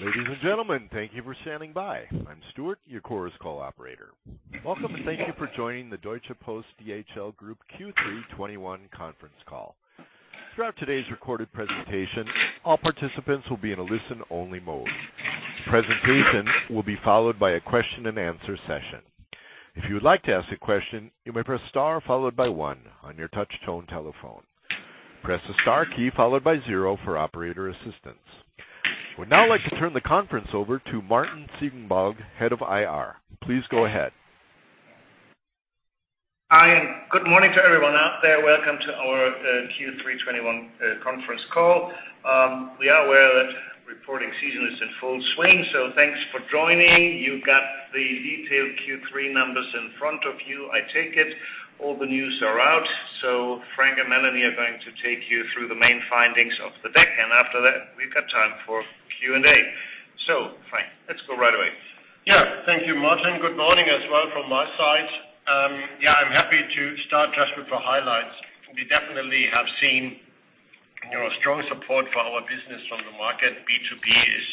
Ladies and gentlemen, thank you for standing by. I'm Stuart, your Chorus Call operator. Welcome and thank you for joining the Deutsche Post DHL Group Q3 2021 Conference Call. Throughout today's recorded presentation, all participants will be in a listen-only mode. Presentation will be followed by a question-and-answer session. If you would like to ask a question, you may press star followed by one on your touch tone telephone. Press the star key followed by zero for operator assistance. I would now like to turn the conference over to Martin Ziegenbalg, Head of IR. Please go ahead. Hi, and good morning to everyone out there. Welcome to our Q3 2021 conference call. We are aware that reporting season is in full swing, so thanks for joining. You got the detailed Q3 numbers in front of you. I take it all the news are out, so Frank and Melanie are going to take you through the main findings of the deck, and after that, we've got time for Q&A. Frank, let's go right away. Thank you, Martin. Good morning as well from my side. I'm happy to start just with the highlights. We definitely have seen, you know, strong support for our business from the market. B2B is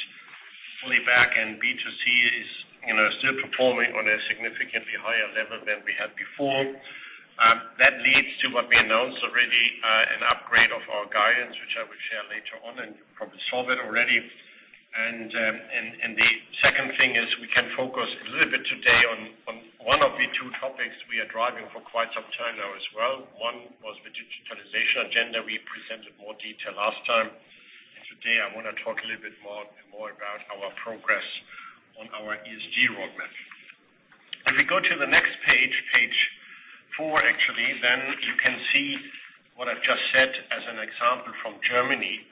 fully back, and B2C is, you know, still performing on a significantly higher level than we had before. That leads to what we announced already, an upgrade of our guidance, which I will share later on, and you probably saw that already. The second thing is we can focus a little bit today on one of the two topics we are driving for quite some time now as well. One was the digitalization agenda. We presented more detail last time. Today, I wanna talk a little bit more about our progress on our ESG roadmap. If we go to the next page four, actually, then you can see what I've just said as an example from Germany.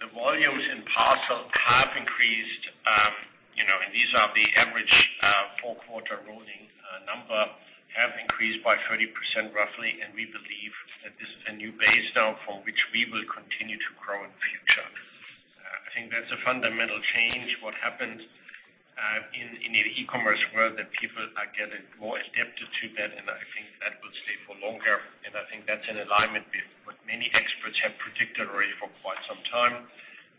The volumes in parcel have increased, you know, and these are the average, four-quarter rolling number, have increased by 30% roughly. We believe that this is a new base now from which we will continue to grow in the future. I think that's a fundamental change. What happens in an e-commerce world, that people are getting more adapted to that, and I think that will stay for longer. I think that's in alignment with what many experts have predicted already for quite some time.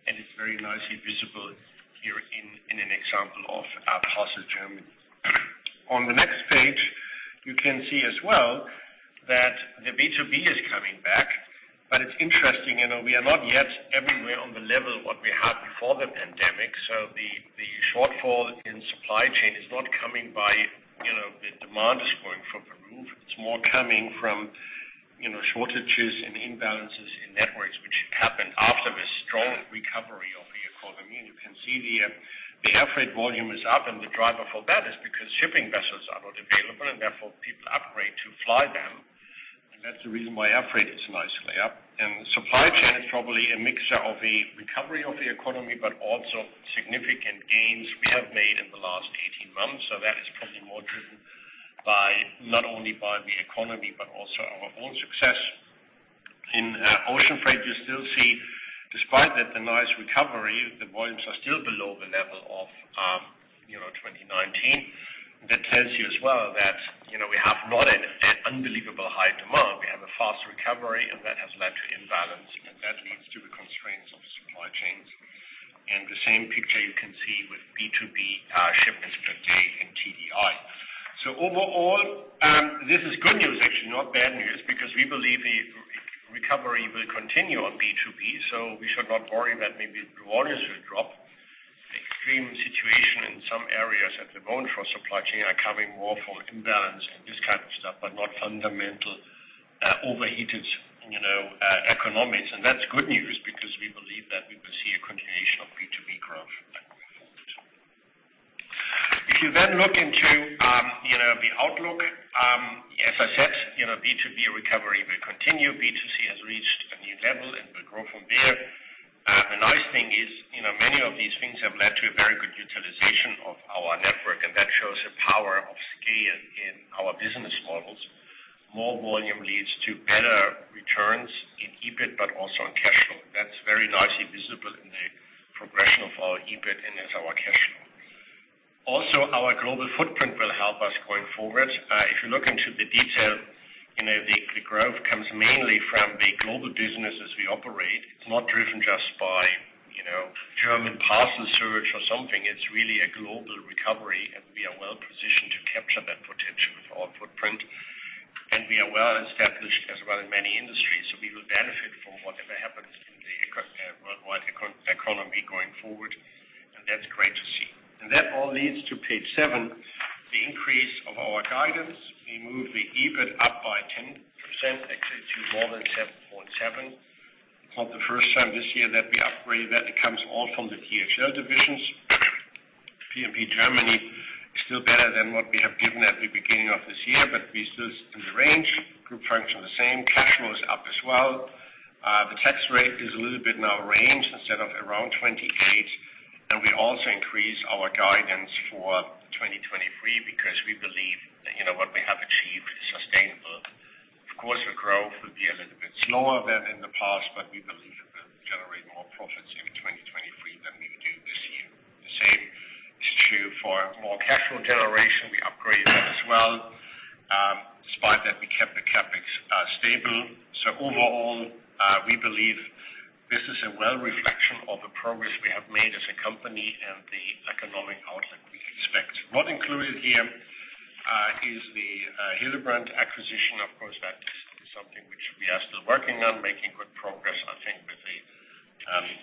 It's very nicely visible here in an example of our Parcel Germany. On the next page, you can see as well that the B2B is coming back. It's interesting, you know, we are not yet everywhere on the level what we had before the pandemic. The shortfall in supply chain is not coming by, you know, the demand is growing through the roof. It's more coming from, you know, shortages and imbalances in networks, which happened after the strong recovery of the economy. You can see the air freight volume is up, and the driver for that is because shipping vessels are not available. Therefore, people upgrade to fly them. That's the reason why air freight is nicely up. Supply chain is probably a mixture of a recovery of the economy, but also significant gains we have made in the last 18 months. That is probably more driven by, not only by the economy, but also our own success. In ocean freight, you still see, despite that the nice recovery, the volumes are still below the level of 2019. That tells you as well that you know we have not an unbelievable high demand. We have a fast recovery, and that has led to imbalance, and that leads to the constraints of the supply chains. The same picture you can see with B2B shipments per day and TDI. Overall this is good news actually, not bad news, because we believe the recovery will continue on B2B, so we should not worry that maybe the volumes will drop. Extreme situation in some areas that we're going through our supply chain are coming more from imbalance and this kind of stuff, but not fundamental overheated economics. That's good news because we believe that we will see a continuation of B2B growth going forward. If you then look into, you know, the outlook, as I said, you know, B2B recovery will continue. B2C has reached a new level, and will grow from there. The nice thing is, you know, many of these things have led to a very good utilization of our network, and that shows the power of scale in our business models. More volume leads to better returns in EBIT, but also in cash flow. That's very nicely visible in the progression of our EBIT and in our cash flow. Also, our global footprint will help us going forward. If you look into the detail, you know, the growth comes mainly from the global business as we operate. It's not driven just by, you know, German parcel surge or something. It's really a global recovery, and we are well-positioned to capture that potential with our footprint. We are well-established as well in many industries, so we will benefit from whatever happens in the worldwide economy going forward. That's great to see. That all leads to page seven, the increase of our guidance. We move the EBIT up by 10%, actually to more than 7.7. It's not the first time this year that we upgraded that. It comes all from the DHL divisions. P&P Germany is still better than what we have given at the beginning of this year, but we're still in the range. Group function the same. Cash flow is up as well. The tax rate is a little bit in our range instead of around 28%. We also increased our guidance for 2023 because we believe that, you know, what we have achieved is sustainable. Of course, the growth will be a little bit slower than in the past, but we believe it will generate more profits in 2023 than we would do. For more cash flow generation, we upgraded that as well, despite that we kept the CapEx stable. Overall, we believe this is a good reflection of the progress we have made as a company and the economic outlook we expect. Not included here is the Hillebrand acquisition. Of course, that is something which we are still working on, making good progress, I think, with the,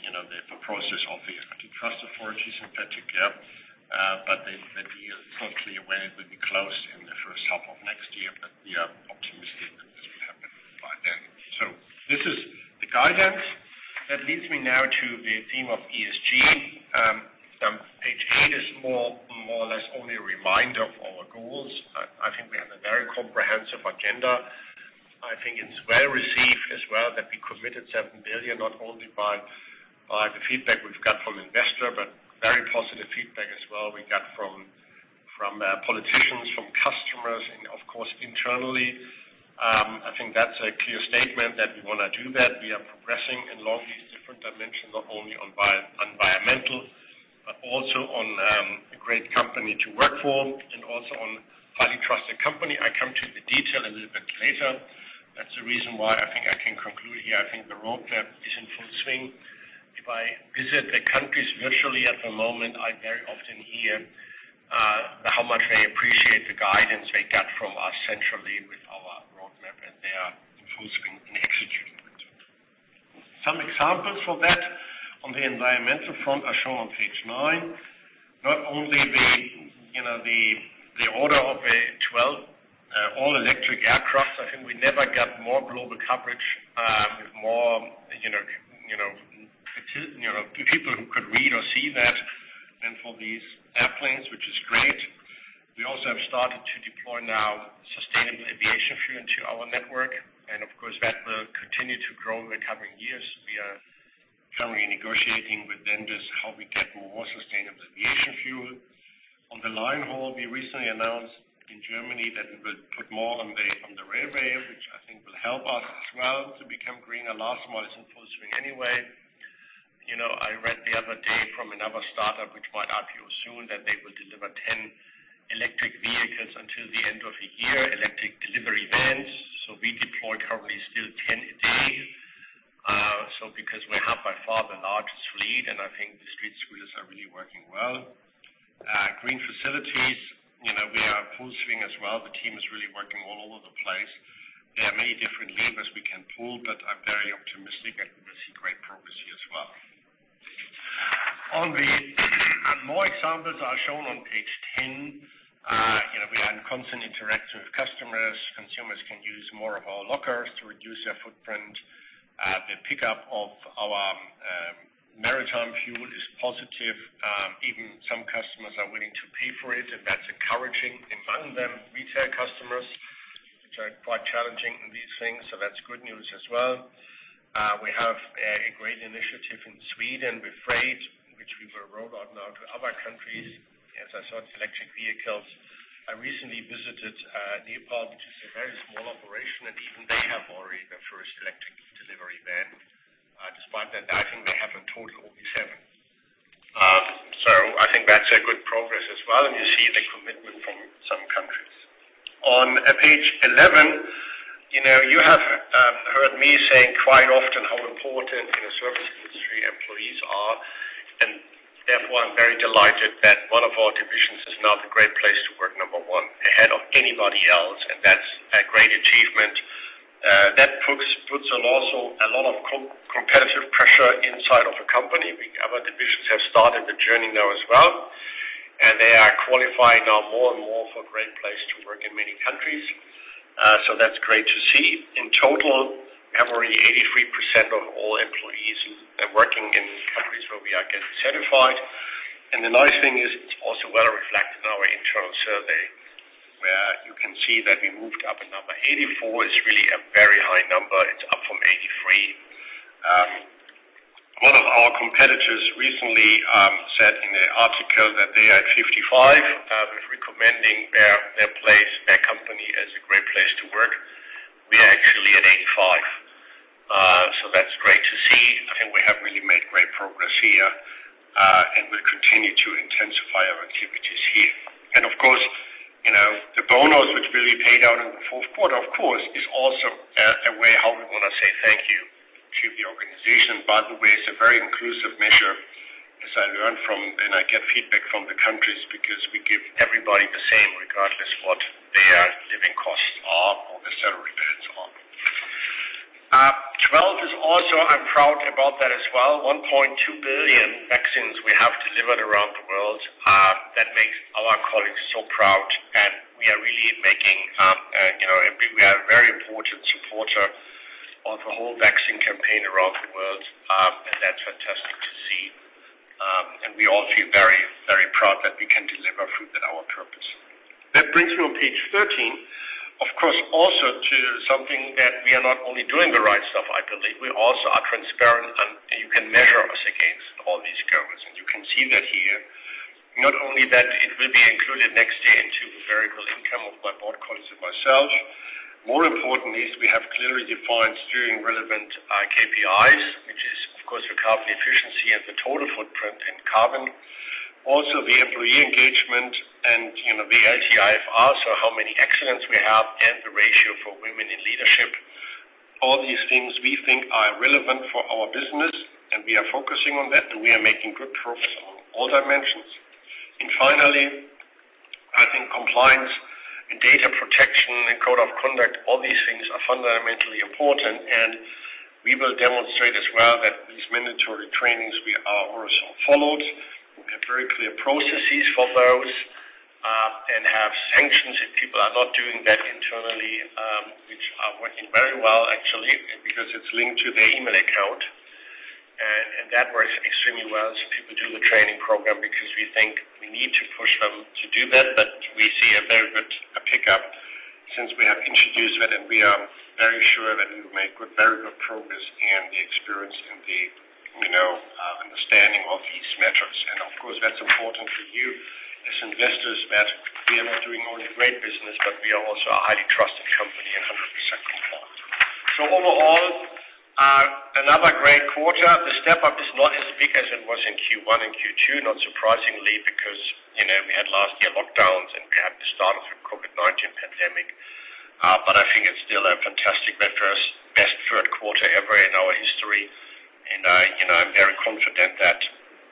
you know, the process of the antitrust authorities in particular. The deal is to be closed in the first half of next year, but we are optimistic that this will happen by then. This is the guidance. That leads me now to the theme of ESG. Page eight is more or less only a reminder of our goals. I think we have a very comprehensive agenda. I think it's well-received as well that we committed 7 billion, not only by the feedback we've got from investors, but very positive feedback as well we got from politicians, from customers and of course, internally. I think that's a clear statement that we wanna do that. We are progressing along these different dimensions, not only on environmental, but also on a great company to work for and also on highly trusted company. I come to the detail a little bit later. That's the reason why I think I can conclude here. I think the roadmap is in full swing. If I visit the countries virtually at the moment, I very often hear how much they appreciate the guidance they get from us centrally with our roadmap, and they are in full swing in executing it. Some examples for that on the environmental front are shown on page nine. Not only the order of 12 all-electric aircrafts. I think we never got more global coverage with more people who could read or see that and for these airplanes, which is great. We also have started to deploy now sustainable aviation fuel into our network. Of course, that will continue to grow in the coming years. We are currently negotiating with vendors how we get more sustainable aviation fuel. On the line haul, we recently announced in Germany that we will put more on the railway, which I think will help us as well to become greener. Last mile is in full swing anyway. You know, I read the other day from another startup which might IPO soon, that they will deliver 10 electric vehicles until the end of the year, electric delivery vans. We deploy currently still 10 a day. Because we have by far the largest fleet, and I think the StreetScooters are really working well. Green facilities, you know, we are in full swing as well. The team is really working all over the place. There are many different levers we can pull, but I'm very optimistic that we will see great progress here as well. One more example is shown on page 10. You know, we are in constant interaction with customers. Consumers can use more of our lockers to reduce their footprint. The uptake of our maritime fuel is positive. Even some customers are willing to pay for it, and that's encouraging. Among them, retail customers, which are quite challenging in these things. That's good news as well. We have a great initiative in Sweden with freight, which we will roll out now to other countries. As I saw with electric vehicles, I recently visited Nepal, which is a very small operation, and even they have already their first electric delivery van. Despite that, I think they have in total only seven. I think that's good progress as well, and you see the commitment from some countries. On page 11, you know, you have heard me saying quite often how important in the service industry employees are, and therefore, I'm very delighted that one of our divisions is now the Great Place to Work number one, ahead of anybody else, and that's a great achievement. That puts on also a lot of competitive pressure inside of a company. Our divisions have started the journey now as well, and they are qualifying now more and more for Great Place to Work in many countries. So that's great to see. In total, already 83% of all employees are working in countries where we are getting certified. The nice thing is it's also well reflected in our internal survey, where you can see that we moved up in number. 84% is really a very high number. It's up from 83%. One of our competitors recently said in an article that they are at 55 with recommending their place, their company as a Great Place To Work. We are actually at 85. So that's great to see. I think we have really made great progress here, and we'll continue to intensify our activities here. Of course, you know, the bonus which will be paid out in the fourth quarter, of course, is also a way how we wanna say thank you to the organization. By the way, it's a very inclusive measure, as I learned from and I get feedback from the countries because we give everybody the same, regardless what their living costs are or the salary bands are. 12 is also, I'm proud about that as well. 1.2 billion vaccines we have delivered around the world. That makes our colleagues so proud, and we are really making, you know, we are a very important supporter of the whole vaccine campaign around the world. That's fantastic to see. We all feel very, very proud that we can deliver on our purpose. That brings me to page 13, of course, also to something that we are not only doing the right stuff, I believe, we also are transparent and you can measure us against all these goals. You can see that here, not only that it will be included next year in- My board colleagues and myself. More importantly is we have clearly defined steering relevant KPIs, which is, of course, the carbon efficiency and the total footprint in carbon. Also the employee engagement and, you know, the LTIFR so how many excellence we have and the ratio for women in leadership. All these things we think are relevant for our business, and we are focusing on that, and we are making good progress on all dimensions. Finally, I think compliance and data protection and code of conduct, all these things are fundamentally important, and we will demonstrate as well that these mandatory trainings we are also followed. We have very clear processes for those, and have sanctions if people are not doing that internally, which are working very well actually, because it's linked to their email account. And that works extremely well. People do the training program because we think we need to push them to do that. We see a very good pickup since we have introduced it, and we are very sure that we will make good, very good progress in the experience and the, you know, understanding of these metrics. Of course, that's important for you as investors, that we are not doing only great business, but we are also a highly trusted company and 100% compliant. Overall, another great quarter. The step-up is not as big as it was in Q1 and Q2, not surprisingly, because, you know, we had last year lockdowns, and we had the start of the COVID-19 pandemic. I think it's still a fantastic reference. Best third quarter ever in our history. You know, I'm very confident that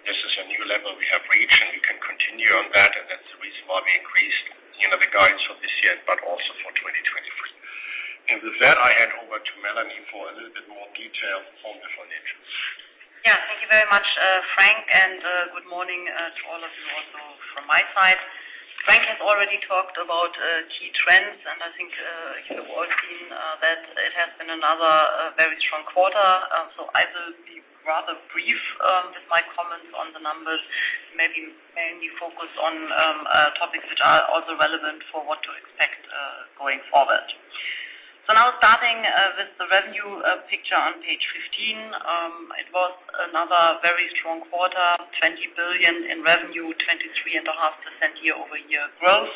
this is a new level we have reached, and we can continue on that. That's the reason why we increased, you know, the guidance for this year, but also for 2023. With that, I hand over to Melanie for a little bit more detail on the financials. Yeah. Thank you very much, Frank, and good morning to all of you also from my side. Frank has already talked about key trends, and I think you have all seen that it has been another very strong quarter. I will be rather brief with my comments on the numbers, maybe mainly focus on topics which are also relevant for what to expect going forward. Now starting with the revenue picture on page 15, it was another very strong quarter, 20 billion in revenue, 23.5% year-over-year growth.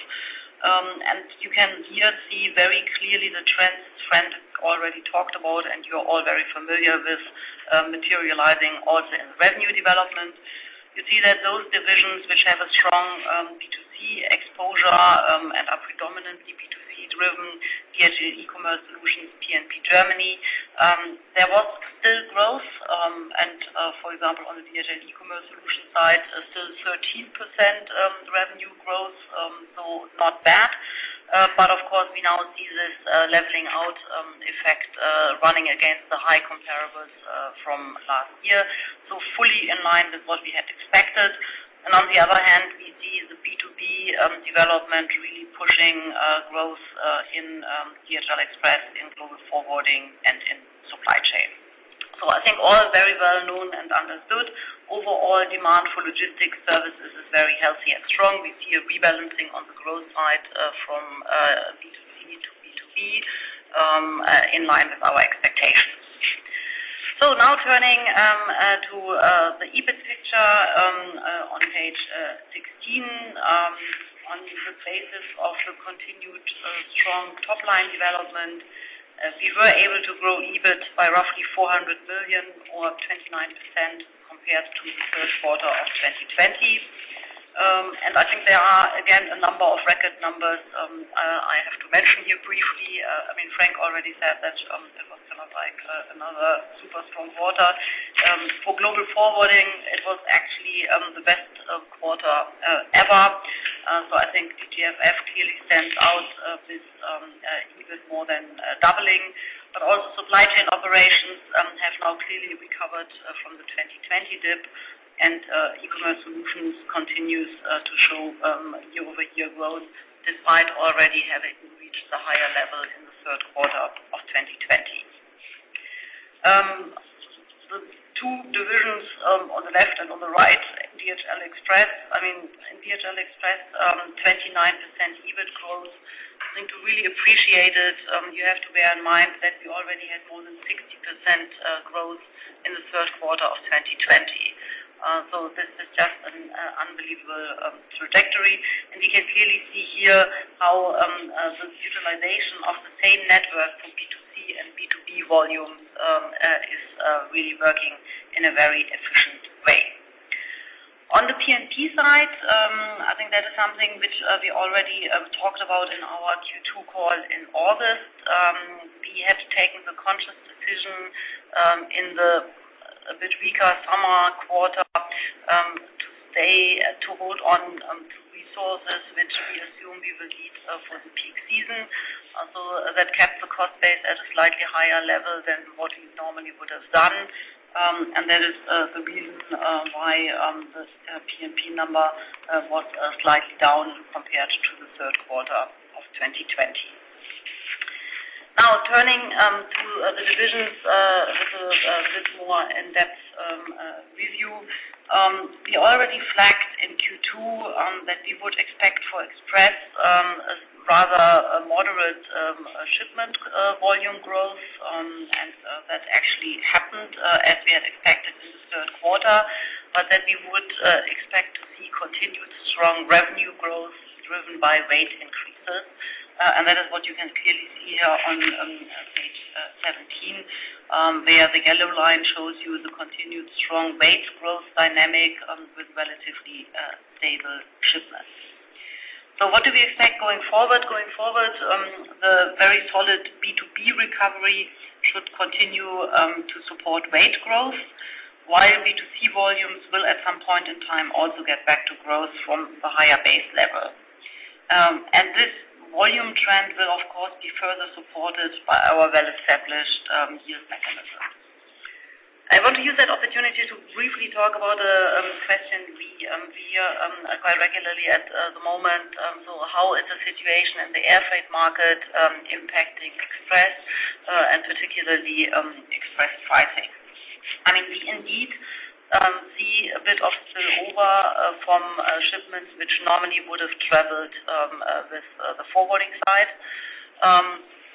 And you can here see very clearly the trends Frank already talked about, and you're all very familiar with materializing also in the revenue development. You see that those divisions which have a strong B2C exposure and are predominantly B2C driven, DHL eCommerce Solutions, P&P Germany. There was still growth and for example, on the DHL eCommerce Solutions side, still 13% revenue growth, so not bad. But of course, we now see this leveling out effect running against the high comparable from last year, so fully in line with what we had expected. On the other hand, we see the B2B development really pushing growth in DHL Express, in DHL Global Forwarding, and in DHL Supply Chain. I think all very well known and understood. Overall demand for logistics services is very healthy and strong. We see a rebalancing on the growth side from B2C to B2B in line with our expectations. Now turning to the EBIT picture on page 16. On a good basis of the continued strong top-line development, we were able to grow EBIT by roughly 400 million or 29% compared to the third quarter of 2020. I think there are, again, a number of record numbers I have to mention here briefly. I mean, Frank already said that, it was kind of like another super strong quarter. For Global Forwarding, it was actually the best quarter ever. I think DGFF clearly stands out with EBIT more than doubling. Also Supply Chain Operations have now clearly recovered from the 2020 dip. E-Commerce Solutions continues to show year-over-year growth despite already having reached the higher level in the third quarter of 2020. The two divisions on the left and on the right in DHL Express, I mean, in DHL Express, 29% EBIT growth. I think to really appreciate it, you have to bear in mind that we already had more than 60% growth in the third quarter of 2020. This is just an unbelievable trajectory. We can clearly see here how the utilization of the same network for B2C and B2B volumes is really working in a very efficient way. On the P&P side, I think that is something which we already talked about in our Q2 call in August. We have taken the conscious decision, in the a bit weaker summer quarter, to hold on to resources which we assume we will need for the peak season. That kept the cost base at a slightly higher level than what we normally would have done. That is the reason why this P&P number was slightly down compared to the third quarter of 2020. Now turning to the divisions with a bit more in-depth review. We already flagged in Q2 that we would expect for Express a rather moderate shipment volume growth. Actually happened as we had expected this third quarter, but that we would expect to see continued strong revenue growth driven by rate increases. That is what you can clearly see here on page 17, where the yellow line shows you the continued strong rate growth dynamic with relatively stable shipments. What do we expect going forward? Going forward, the very solid B2B recovery should continue to support rate growth, while B2C volumes will at some point in time also get back to growth from the higher base level. This volume trend will of course be further supported by our well-established yield mechanisms. I want to use that opportunity to briefly talk about a question we hear quite regularly at the moment. How is the situation in the air freight market impacting Express and particularly Express pricing? I mean, we indeed see a bit of spillover from shipments which normally would have traveled with the forwarding side.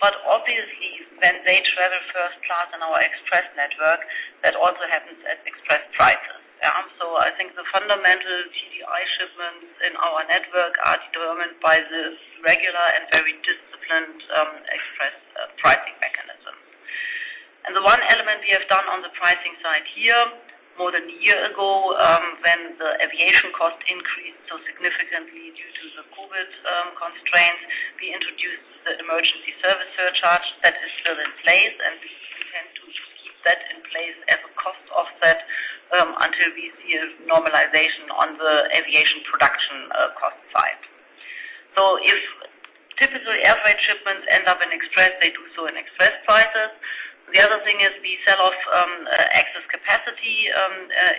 Obviously, when they travel first class on our Express network, that also happens at Express prices. Yeah. I think the fundamental TDI shipments in our network are determined by this regular and very disciplined Express pricing mechanism. The one element we have done on the pricing side here more than a year ago, when the aviation cost increased so significantly due to the COVID constraints, we introduced the emergency service surcharge that is still in place, and we tend to keep that in place as a cost offset until we see a normalization on the aviation production cost side. If typically air freight shipments end up in Express, they do so in Express prices. The other thing is we sell off excess capacity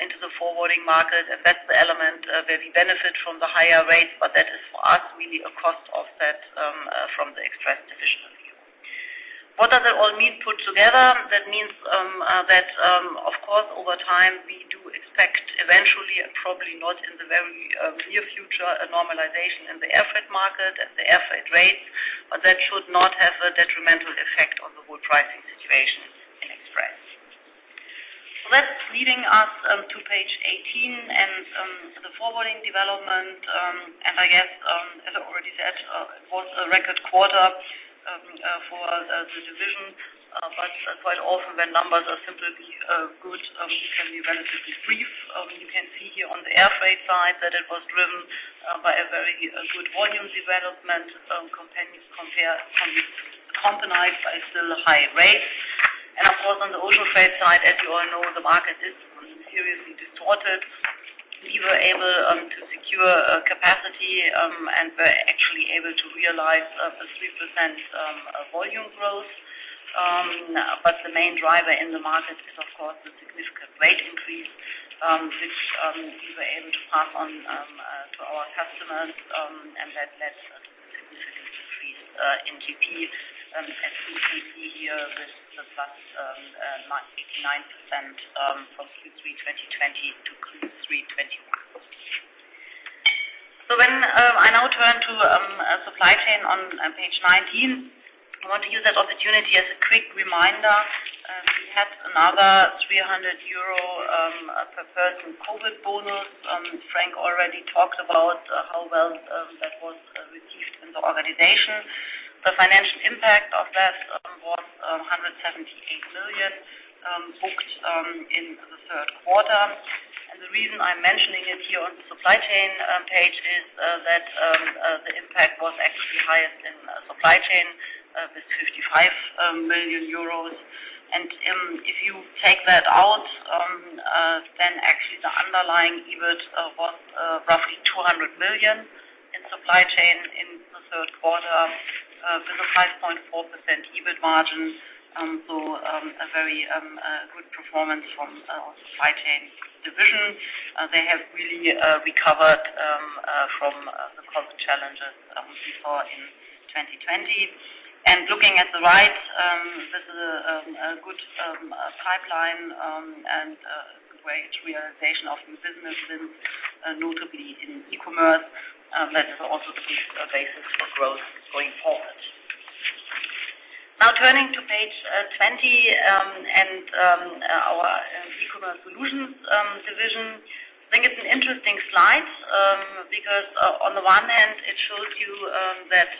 into the forwarding market, and that's the element where we benefit from the higher rates. That is for us really a cost offset from the Express division view. What does it all mean put together? That means that of course, over time, we do expect eventually and probably not in the very near future, a normalization in the air freight market and the air freight rates. That should not have a detrimental effect on the whole pricing situation in Express. That's leading us to page 18 and the forwarding development. I guess as I already said it was a record quarter for the division. Quite often when numbers are simply good, we can be relatively brief. You can see here on the air freight side that it was driven by a very good volume development accompanied by still high rates. Of course, on the ocean freight side, as you all know, the market is seriously distorted. We were able to secure capacity and were actually able to realize a 3% volume growth. The main driver in the market is of course the significant rate increase, which we were able to pass on to our customers. That significantly increased NGP and CCP here with the +99% from Q3 2020 to Q3 2021. When I now turn to Supply Chain on page 19. I want to use that opportunity as a quick reminder. We had another 300 euro per person COVID bonus. Frank already talked about how well that was received in the organization. The financial impact of that was 178 million booked in the third quarter. The reason I'm mentioning it here on the Supply Chain page is that the impact was actually highest in Supply Chain with 55 million euros. If you take that out then actually the underlying EBIT was roughly 200 million in Supply Chain in the third quarter with a 5.4% EBIT margin. A very good performance from our Supply Chain division. They have really recovered from the COVID challenges we saw in 2020. Looking at the right, this is a good pipeline and a good win realization of new business, notably in e-commerce. That is also the key basis for growth going forward. Now turning to page 20 and our eCommerce Solutions division. I think it's an interesting slide because on the one hand, it shows you that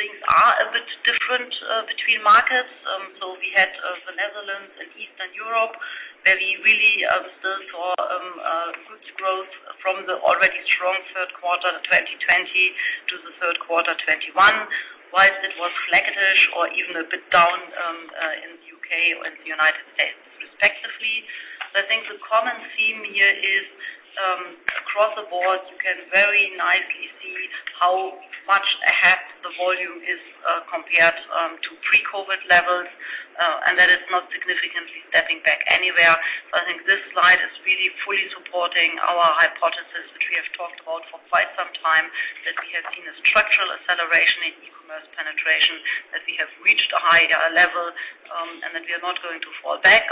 things are a bit different between markets. We had the Netherlands and Eastern Europe, where we really still saw good growth from the already strong third quarter 2020 to the third quarter 2021. While it was sluggish or even a bit down, in the U.K. or in the United States respectively. I think the common theme here is, across the board, you can very nicely see how much ahead the volume is, compared, to pre-COVID levels, and that it's not significantly stepping back anywhere. I think this slide is really fully supporting our hypothesis, which we have talked about for quite some time, that we have seen a structural acceleration in e-commerce penetration, that we have reached a higher level, and that we are not going to fall back.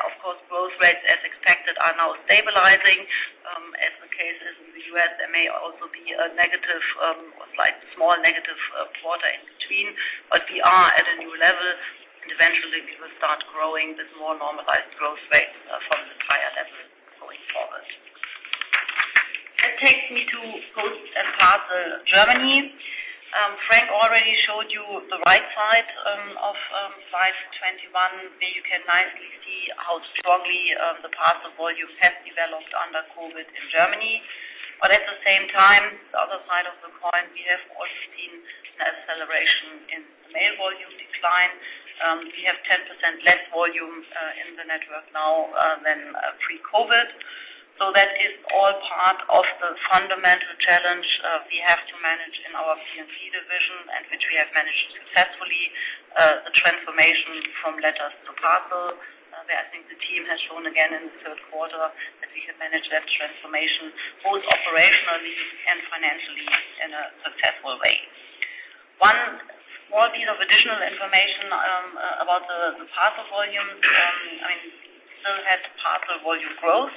Those rates, as expected, are now stabilizing, as the case is in the U.S. There may also be a negative, or slight small negative, quarter in between. We are at a new level, and eventually we will start growing this more normalized growth rate from the higher level going forward. That takes me to Post & Parcel Germany. Frank already showed you the right side of slide 21, where you can nicely see how strongly the parcel volume has developed under COVID in Germany. At the same time, the other side of the coin, we have also seen an acceleration in mail volume decline. We have 10% less volume in the network now than pre-COVID. That is all part of the fundamental challenge we have to manage in our P&P division and which we have managed successfully the transformation from letters to parcel. Where I think the team has shown again in the third quarter that we have managed that transformation both operationally and financially in a successful way. One more bit of additional information about the parcel volume. I still had parcel volume growth,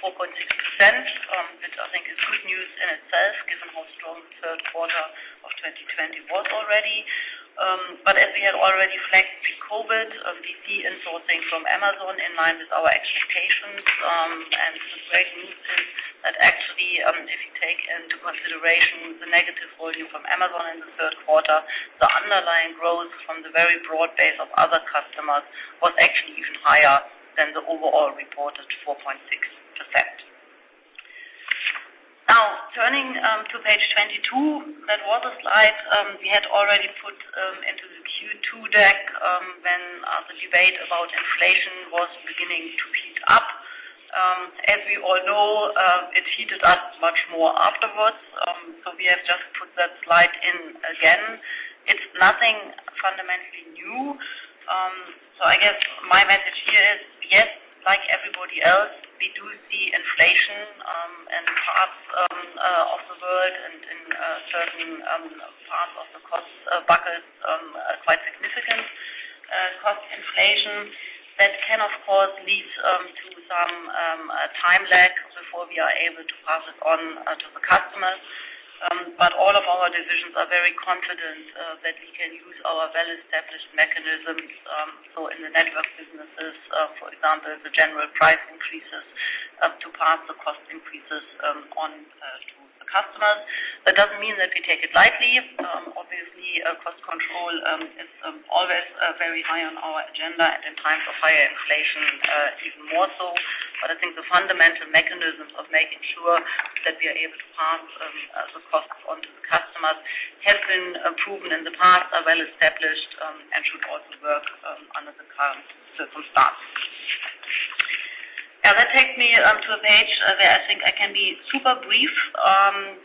4.6%, which I think is good news in itself given how strong the third quarter of 2020 was already. As we had already flagged pre-COVID, we see in-sourcing from Amazon in line with our expectations. The reason is that actually, if you take into consideration the negative volume from Amazon in the third quarter, the underlying growth from the very broad base of other customers was actually even higher than the overall reported 4.6%. Now, turning to page 22, that was a slide we had already put into the Q2 deck when the debate about inflation was beginning to heat up. As we all know, it heated up much more afterwards. We have just put that slide in again. It's nothing fundamentally new. I guess my message here is, yes, like everybody else, we do see inflation in parts of the world and in certain parts of the cost bucket, quite significant cost inflation. That can, of course, lead to some time lag before we are able to pass it on to the customers. All of our divisions are very confident that we can use our well-established mechanisms. In the network businesses, for example, the general price increases to pass the cost increases on to the customers. That doesn't mean that we take it lightly. Obviously, cost control is always very high on our agenda and in times of higher inflation, even more so. But I think the fundamental mechanisms of making sure that we are able to pass the costs on to the customers has been proven in the past, are well established, and should also work under the current circumstances. Now, that takes me to a page where I think I can be super brief.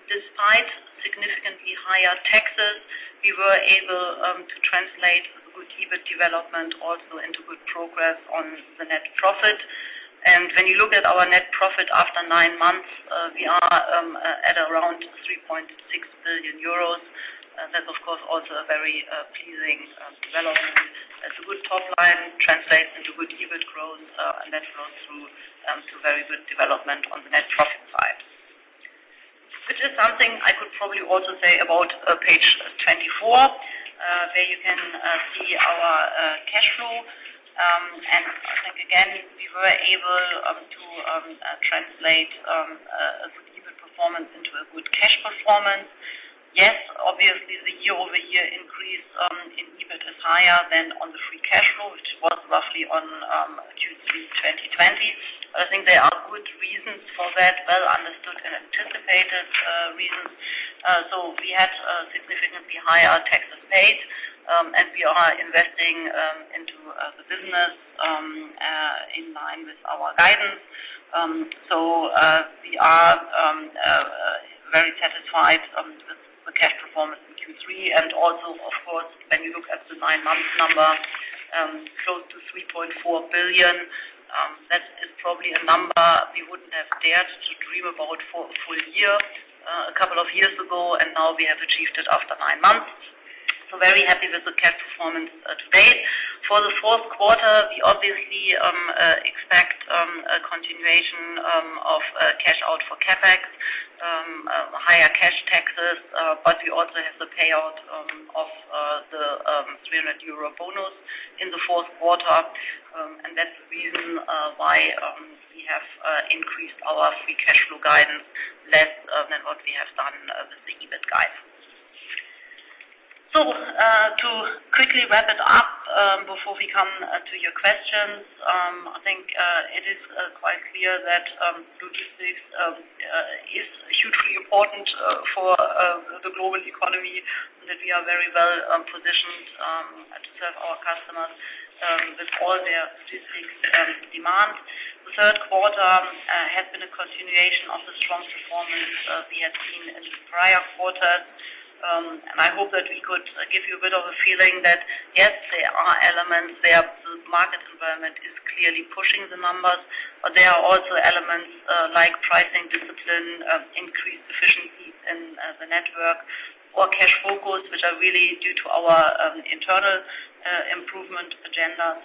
Despite significantly higher taxes, we were able to translate a good EBIT development also into good progress on the net profit. When you look at our net profit after nine months, we are at around 3.6 billion euros. That's, of course, also a very pleasing development. As a good top line translates into good EBIT growth, net flow through to very good development on the net profit side. Which is something I could probably also say about page 24, where you can see our cash flow. I think, again, we were able to translate a good EBIT performance into a good cash performance. Yes, obviously, the year-over-year increase in EBIT is higher than on the free cash flow, which was roughly on Q3 2020. I think there are good reasons for that, well understood and anticipated reasons. We had significantly higher taxes paid, and we are investing into the business in line with our guidance. We are very satisfied with the cash performance in Q3. Of course, when you look at the nine-month number, close to 3.4 billion, that is probably a number we wouldn't have dared to dream about for a full year, a couple of years ago, and now we have achieved it after nine months. Very happy with the cash performance to date. For the fourth quarter, we obviously expect a continuation of cash out for CapEx, higher cash taxes, but we also have the payout of the 300 euro bonus in the fourth quarter. That's the reason why we have increased our free cash flow guidance less than what we have done with the EBIT guidance. To quickly wrap it up, before we come to your questions, I think it is quite clear that logistics is hugely important for the global economy, and that we are very well positioned to serve our customers with all their logistics demands. The third quarter has been a continuation of the strong performance we had seen in the prior quarters. I hope that we could give you a bit of a feeling that, yes, there are elements there. The market environment is clearly pushing the numbers, but there are also elements, like pricing discipline, increased efficiency in the network or cash focus, which are really due to our internal improvement agendas.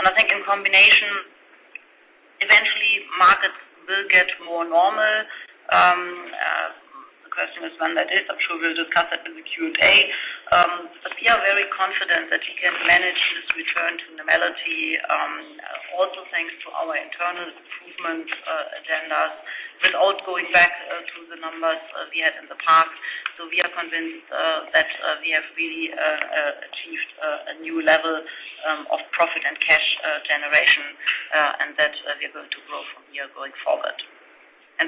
I think in combination, eventually markets will get more normal. The question is when that is. I'm sure we'll discuss that in the Q&A. We are very confident that we can manage this return to normality, also thanks to our internal improvement agendas without going back to the numbers we had in the past. We are convinced that we have really achieved a new level of profit and cash generation and that we are going to grow from here going forward.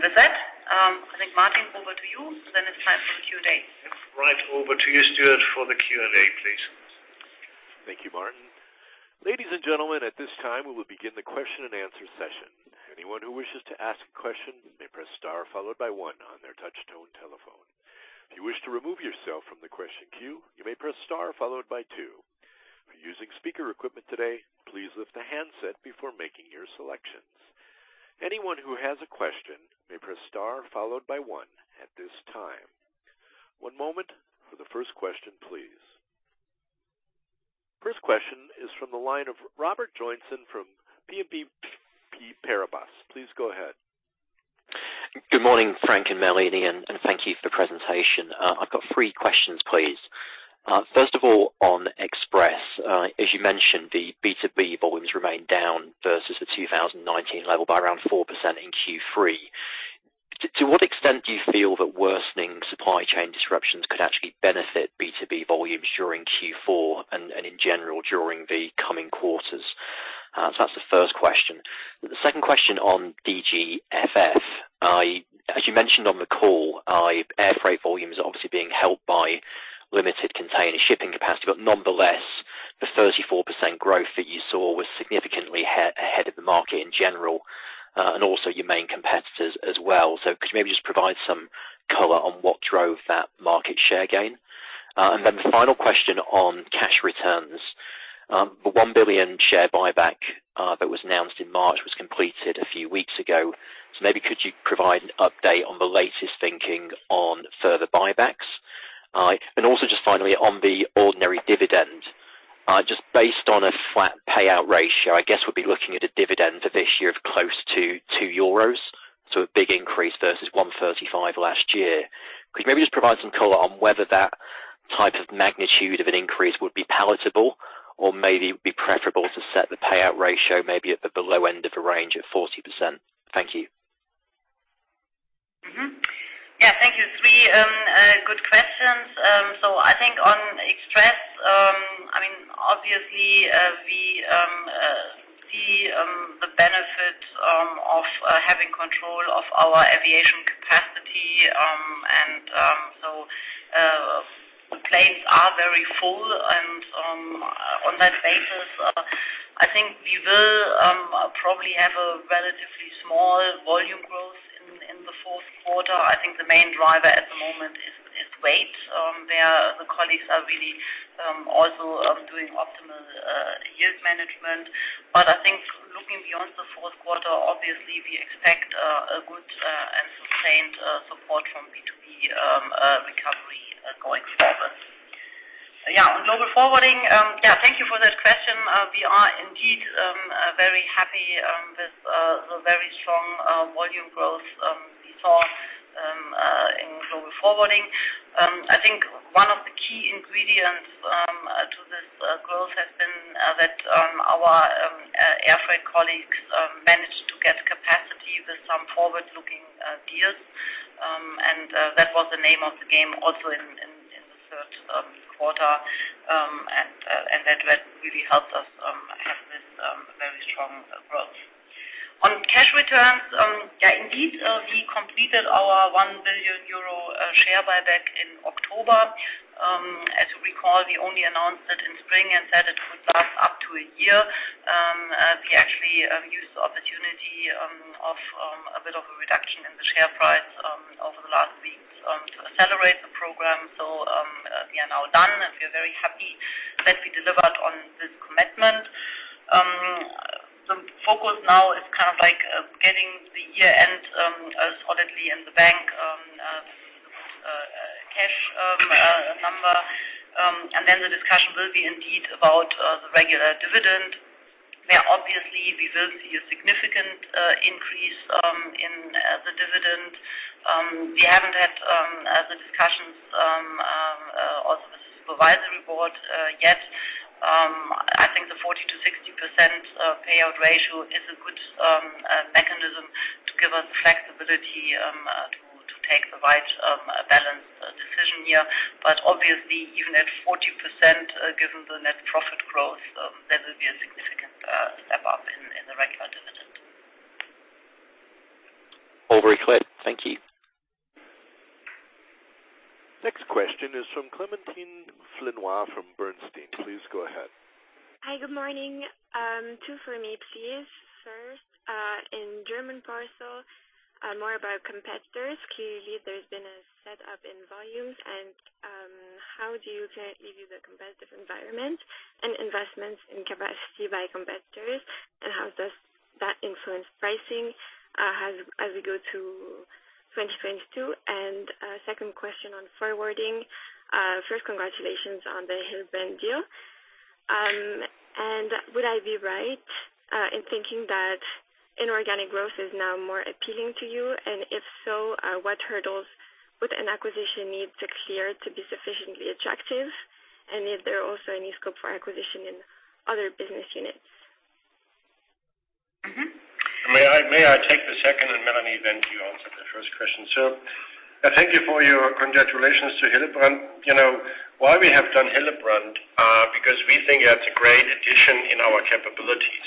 With that, I think, Martin, over to you, and then it's time for the Q&A. Right. Over to you, Stuart, for the Q&A, please. Thank you, Martin. Ladies and gentlemen, at this time, we will begin the question-and-answer session. Anyone who wishes to ask a question may press star followed by one on their touchtone telephone. If you wish to remove yourself from the question queue, you may press star followed by two. If you're using speaker equipment today, please lift the handset before making your selections. Anyone who has a question may press star followed by one at this time. One moment for the first question, please. First question is from the line of Robert Joynson from Exane BNP Paribas. Please go ahead. Good morning, Frank and Melanie, and thank you for the presentation. I've got three questions, please. First of all, on Express, as you mentioned, the B2B volumes remain down versus the 2019 level by around 4% in Q3. To what extent do you feel that worsening supply chain disruptions could actually benefit B2B volumes during Q4 and in general during the coming quarters? So that's the first question. The second question on DGFF. As you mentioned on the call, air freight volumes are obviously being held by limited container shipping capacity, but nonetheless, the 34% growth that you saw was significantly ahead of the market in general, and also your main competitors as well. So could you maybe just provide some color on what drove that market share gain? The final question on cash returns. The 1 billion share buyback that was announced in March was completed a few weeks ago. Maybe you could provide an update on the latest thinking on further buybacks? Just finally on the ordinary dividend, just based on a flat payout ratio, I guess we'll be looking at a dividend for this year of close to 2 euros, so a big increase versus 1.35 last year. Could you maybe just provide some color on whether that type of magnitude of an increase would be palatable or maybe it would be preferable to set the payout ratio maybe at the lower end of the range at 40%? Thank you. Mm-hmm. Yeah. Thank you. Three good questions. I think on Express, I mean, obviously, we see the benefit of having control of our aviation capacity. The planes are very full, and on that basis, I think we will probably have a relatively small volume growth in the fourth quarter. I think the main driver at the moment is weight. There, the colleagues are really also doing optimal yield management. I think looking beyond the fourth quarter, obviously we expect a good and sustained support from B2B recovery going forward. Yeah. On Global Forwarding, yeah, thank you for that question. We are indeed very happy with the very strong volume growth we saw in Global Forwarding. I think one of the key ingredients to this growth has been that our air freight colleagues managed to get capacity with some forward-looking deals. That was the name of the game also in the third quarter. That really helped us have this very strong growth. On cash returns, yeah, indeed, we completed our 1 billion euro share buyback in October. As you recall, we only announced it in spring and said it would last up to a year. We actually used the opportunity of a bit of a reduction in the share price over the last weeks to accelerate the program. We are now done, and we're very happy that we delivered on this commitment. The focus now is kind of like getting the year-end solidly in the bank cash number. Then the discussion will be indeed about the regular dividend. There obviously we will see a significant increase in the dividend. We haven't had the discussions of the supervisory board yet. I think the 40%-60% payout ratio is a good mechanism to give us flexibility to take the right balanced decision here. Obviously, even at 40%, given the net profit growth, there will be a significant step up in the regular dividend. All very clear. Thank you. Next question is from Clémentine Flinois from Bernstein. Please go ahead. Hi. Good morning. Two for me, please. First, in Post & Parcel Germany, more about competitors. Clearly, there's been a step up in volumes, and how do you currently view the competitive environment and investments in capacity by competitors, and how does that influence pricing as we go to 2022? Second question on forwarding. First, congratulations on the Hillebrand deal. Would I be right in thinking that inorganic growth is now more appealing to you? If so, what hurdles would an acquisition need to clear to be sufficiently attractive? Is there also any scope for acquisition in other business units? Mm-hmm. May I take the second, and Melanie, then you answer the first question. Thank you for your congratulations to Hillebrand. You know, why we have done Hillebrand, because we think it's a great addition in our capabilities.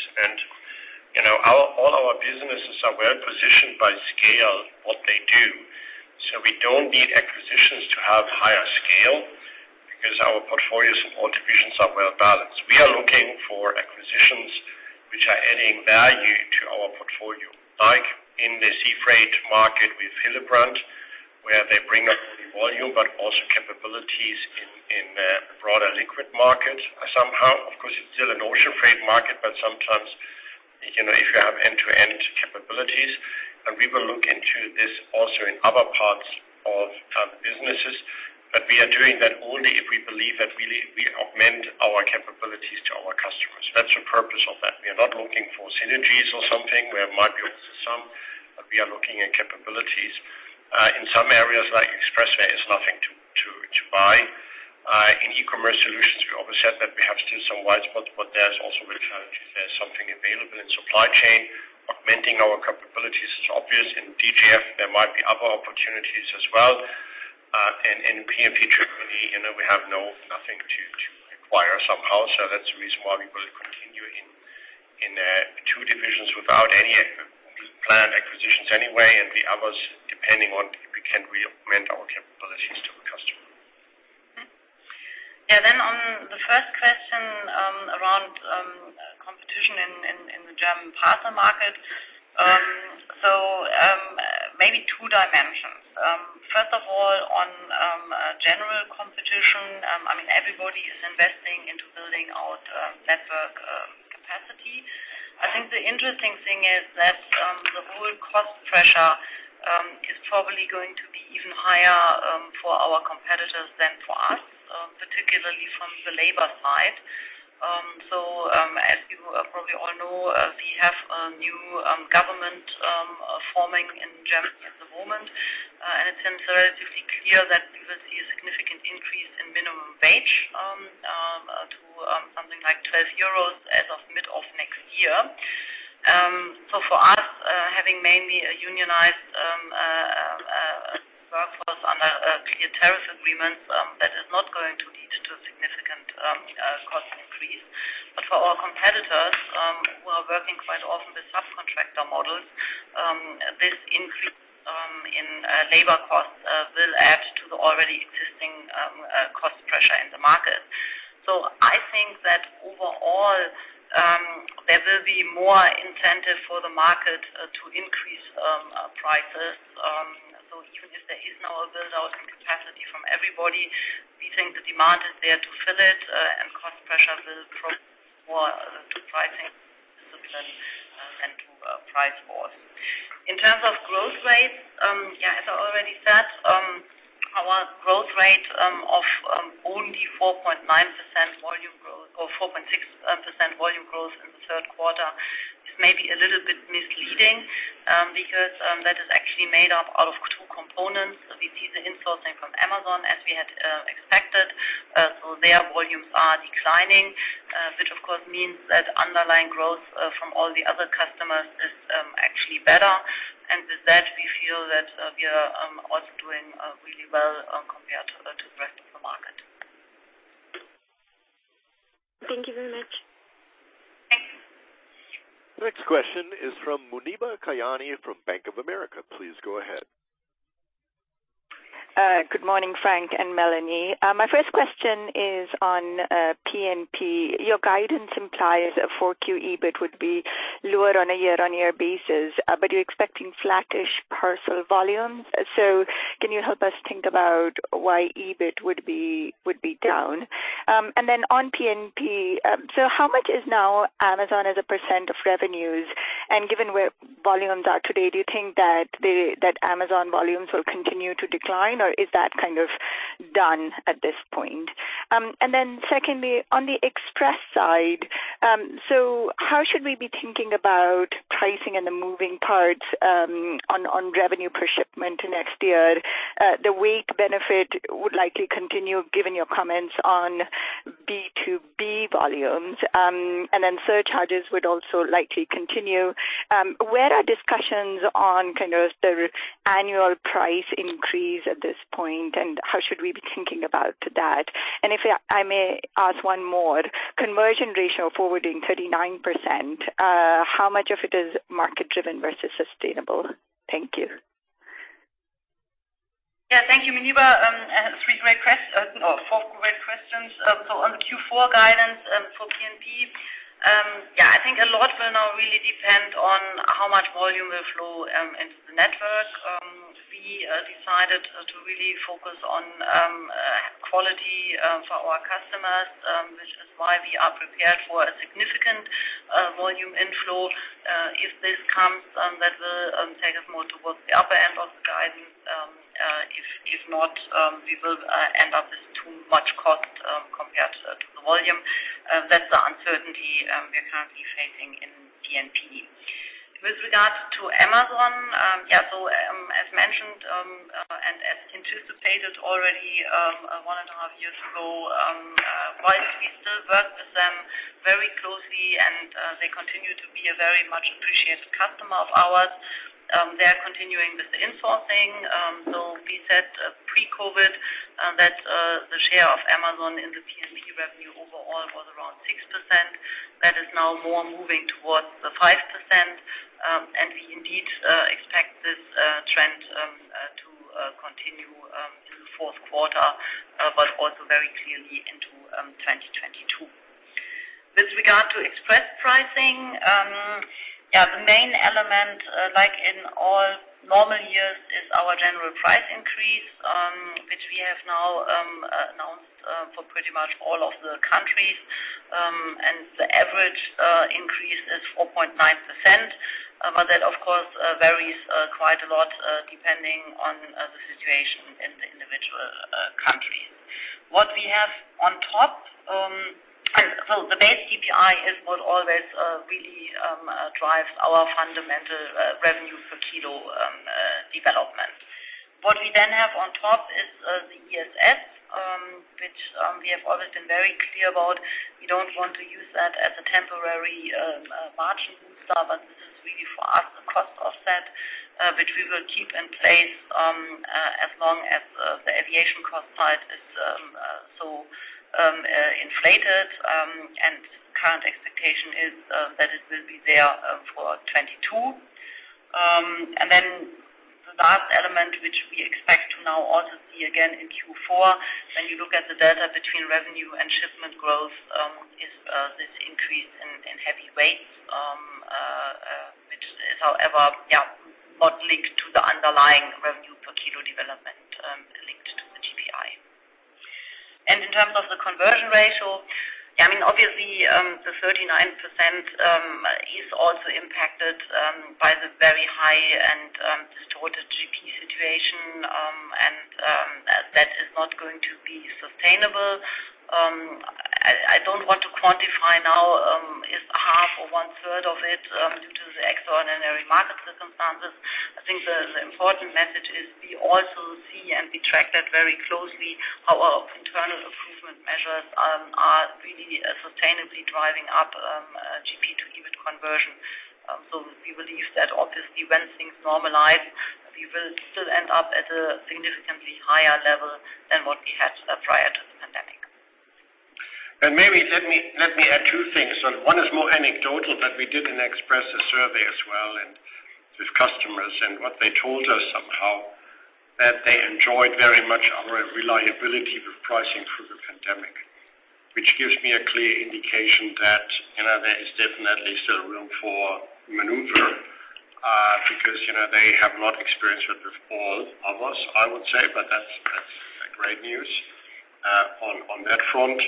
You know, all our businesses are well-positioned by scale what they do. We don't need acquisitions to have higher scale because our portfolios and contributions are well-balanced. We are looking for acquisitions which are adding value to our portfolio. Like in the sea freight market with Hillebrand, where they bring us the volume, but also capabilities in broader liquid markets somehow. Of course, it's still an ocean freight market, but sometimes, you know, if you have end-to-end capabilities, and we will look into this also in other parts of businesses. We are doing that only if we believe that really we augment our capabilities to our customers. That's the purpose of that. We are not looking for synergies or something where margins sum, but we are looking at capabilities. In some areas like express and freight, there's nothing to buy. In eCommerce Solutions, we always said that we have still some white spots, but it's also very challenging. There's something available in Supply Chain. Augmenting our capabilities is obvious. In DGF, there might be other opportunities as well. In P&P Germany, you know, we have nothing to acquire somehow. That's the reason why we will continue in two divisions without any planned acquisitions anyway, and the others, depending on if we can augment our capabilities to the customer. Yeah. On the first question, around competition in the German parcel market. Maybe two dimensions. First of all, on general competition, I mean, everybody is investing into building out network capacity. I think the interesting thing is that the whole cost pressure is probably going to be even higher for our competitors than for us, particularly from the labor side. As you probably all know, we have a new government forming in Germany at the moment. It seems relatively clear that we will see a significant increase in minimum wage to something like 12 euros as of mid of next year. For us, having mainly a unionized workforce under a clear tariff agreement, that is not going to lead to a significant cost increase. For our competitors, who are working quite often with subcontractor models, this increase in labor costs will add to the already existing cost pressure in the market. I think that overall, there will be more incentive for the market to increase prices. Even if there is now a build out in capacity from everybody, we think the demand is there to fill it, and cost pressure will prove more to pricing discipline than to price wars. In terms of growth rates, yeah, as I already said, our growth rate of only 4.9% volume growth or 4.6% volume growth in the third quarter is maybe a little bit misleading, because that is actually made up out of two components. We see the insourcing from Amazon as we had expected. So their volumes are declining, which of course means that underlying growth from all the other customers is actually better. With that, we feel that we are also doing really well compared to the rest of the market. Thank you very much. Next question is from Muneeba Kayani from Bank of America. Please go ahead. Good morning, Frank and Melanie. My first question is on P&P. Your guidance implies that 4Q EBIT would be lower on a year-on-year basis, but you're expecting flattish parcel volumes. Can you help us think about why EBIT would be down? And then on P&P, how much is now Amazon as a % of revenues? Given where volumes are today, do you think that Amazon volumes will continue to decline, or is that kind of done at this point? And then secondly, on the Express side, how should we be thinking about pricing and the moving parts on revenue per shipment next year? The weight benefit would likely continue given your comments on B2B volumes. Surcharges would also likely continue. Where are discussions on kind of the annual price increase at this point, and how should we be thinking about that? If I may ask one more. Conversion ratio forwarding 39%, how much of it is market-driven versus sustainable? Thank you. Yeah. Thank you, Muneeba. No, four great questions. On the Q4 guidance for P&P, yeah, I think a lot will now really depend on how much volume will flow into the network. We decided to really focus on quality for our customers, which is why we are prepared for a significant volume inflow. If this comes, that will take us more towards the upper end of the guidance. If not, we will end up with too much cost compared to the volume. That's the uncertainty we're currently facing in DP. With regard to Amazon, as mentioned, and as anticipated already, one and a half years ago, while we still work with them very closely and, they continue to be a very much appreciated customer of ours, they're continuing with the insourcing. We said pre-COVID, that the share of Amazon in the P&P revenue overall was around 6%. That is now more moving towards the 5%. We indeed expect this trend to continue through the fourth quarter, but also very clearly into 2022. With regard to express pricing, the main element, like in all normal years, is our general price increase, which we have now announced, for pretty much all of the countries. The average increase is 4.9%. That of course varies quite a lot depending on the situation in the individual country. The base CPI is what always really drives our fundamental revenue per kilo development. What we then have on top is the ESS, which we have always been very clear about. We don't want to use that as a temporary margin booster, but this is really for us a cost offset, which we will keep in place as long as the aviation cost side is so inflated. Current expectation is that it will be there for 2022. The last element, which we expect to now also see again in Q4, when you look at the delta between revenue and shipment growth, is this increase in heavy weights, which is however, yeah, not linked to the underlying revenue per kilo development, linked to the GPI. In terms of the conversion ratio, I mean, obviously, the 39% is also impacted by the very high and distorted GP situation. That is not going to be sustainable. I don't want to quantify now, is half or one third of it due to the extraordinary market circumstances. I think the important message is we also see and we track that very closely, how our internal improvement measures are really sustainably driving up GP to EBIT conversion. We believe that obviously when things normalize, we will still end up at a significantly higher level than what we had prior to the pandemic. Maybe let me add two things. One is more anecdotal, but we did an Express survey as well, and with customers and what they told us somehow that they enjoyed very much our reliability with pricing through the pandemic, which gives me a clear indication that, you know, there is definitely still room for maneuver, because, you know, they have not experienced it with all of us, I would say. But that's great news on that front.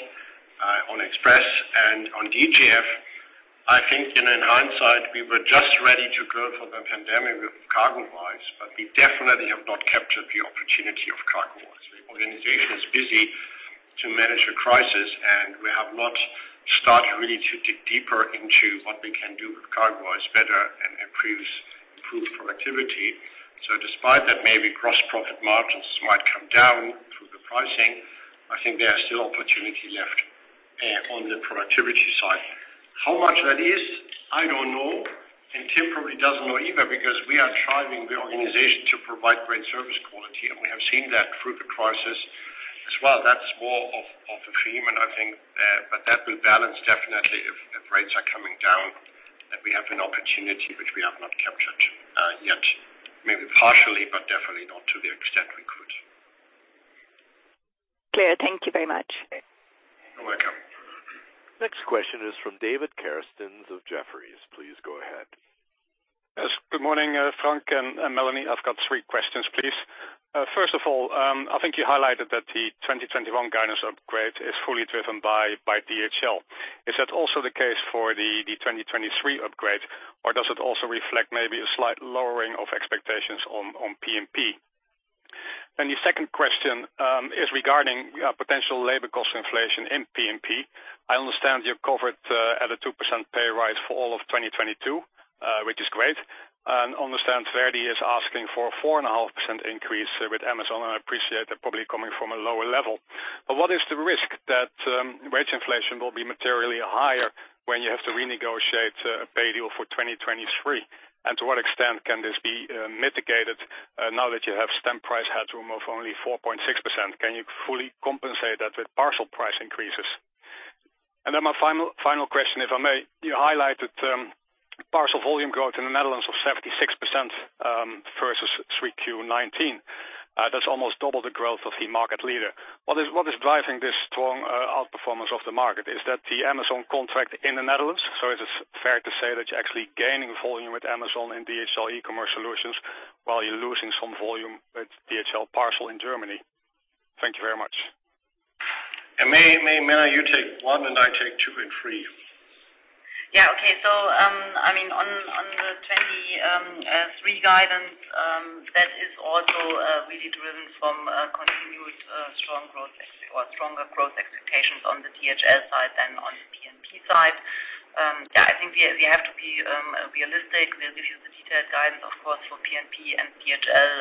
On Express and on DGF, I think, you know, in hindsight, we were just ready to go for the pandemic with CargoWise, but we definitely have not captured the opportunity of CargoWise. The organization is busy to manage a crisis, and we have not started really to dig deeper into what we can do with CargoWise better and improve productivity. Despite that maybe gross profit margins might come down through the pricing, I think there are still opportunity left on the productivity side. How much that is, I don't know, and Tim probably doesn't know either because we are driving the organization to provide great service quality and we have seen that through the crisis as well. That's more of a theme and I think, but that will balance definitely if rates are coming down, that we have an opportunity which we have not captured yet. Maybe partially, but definitely not to the extent we could. Clear. Thank you very much. You're welcome. Next question is from David Kerstens of Jefferies. Please go ahead. Yes. Good morning, Frank and Melanie. I've got three questions, please. First of all, I think you highlighted that the 2021 guidance upgrade is fully driven by DHL. Is that also the case for the 2023 upgrade, or does it also reflect maybe a slight lowering of expectations on P&P? The second question is regarding potential labor cost inflation in P&P. I understand you've covered at a 2% pay raise for all of 2022, which is great, and understand ver.di is asking for a 4.5% increase with Amazon, and I appreciate they're probably coming from a lower level. What is the risk that wage inflation will be materially higher when you have to renegotiate a pay deal for 2023? To what extent can this be mitigated now that you have stamp price headroom of only 4.6%? Can you fully compensate that with partial price increases? Then my final question, if I may. You highlighted parcel volume growth in the Netherlands of 76% versus Q3 2019. That's almost double the growth of the market leader. What is driving this strong outperformance of the market? Is that the Amazon contract in the Netherlands? Is it fair to say that you're actually gaining volume with Amazon in DHL eCommerce Solutions while you're losing some volume with DHL Parcel in Germany? Thank you very much. May, Melanie, you take one, and I take two and three. Yeah. Okay. I mean, on the 2023 guidance, that is also really driven from continuous strong growth or stronger growth expectations on the DHL side than on P&P side. Yeah, I think we have to be realistic. We'll give you the detailed guidance, of course, for P&P and DHL,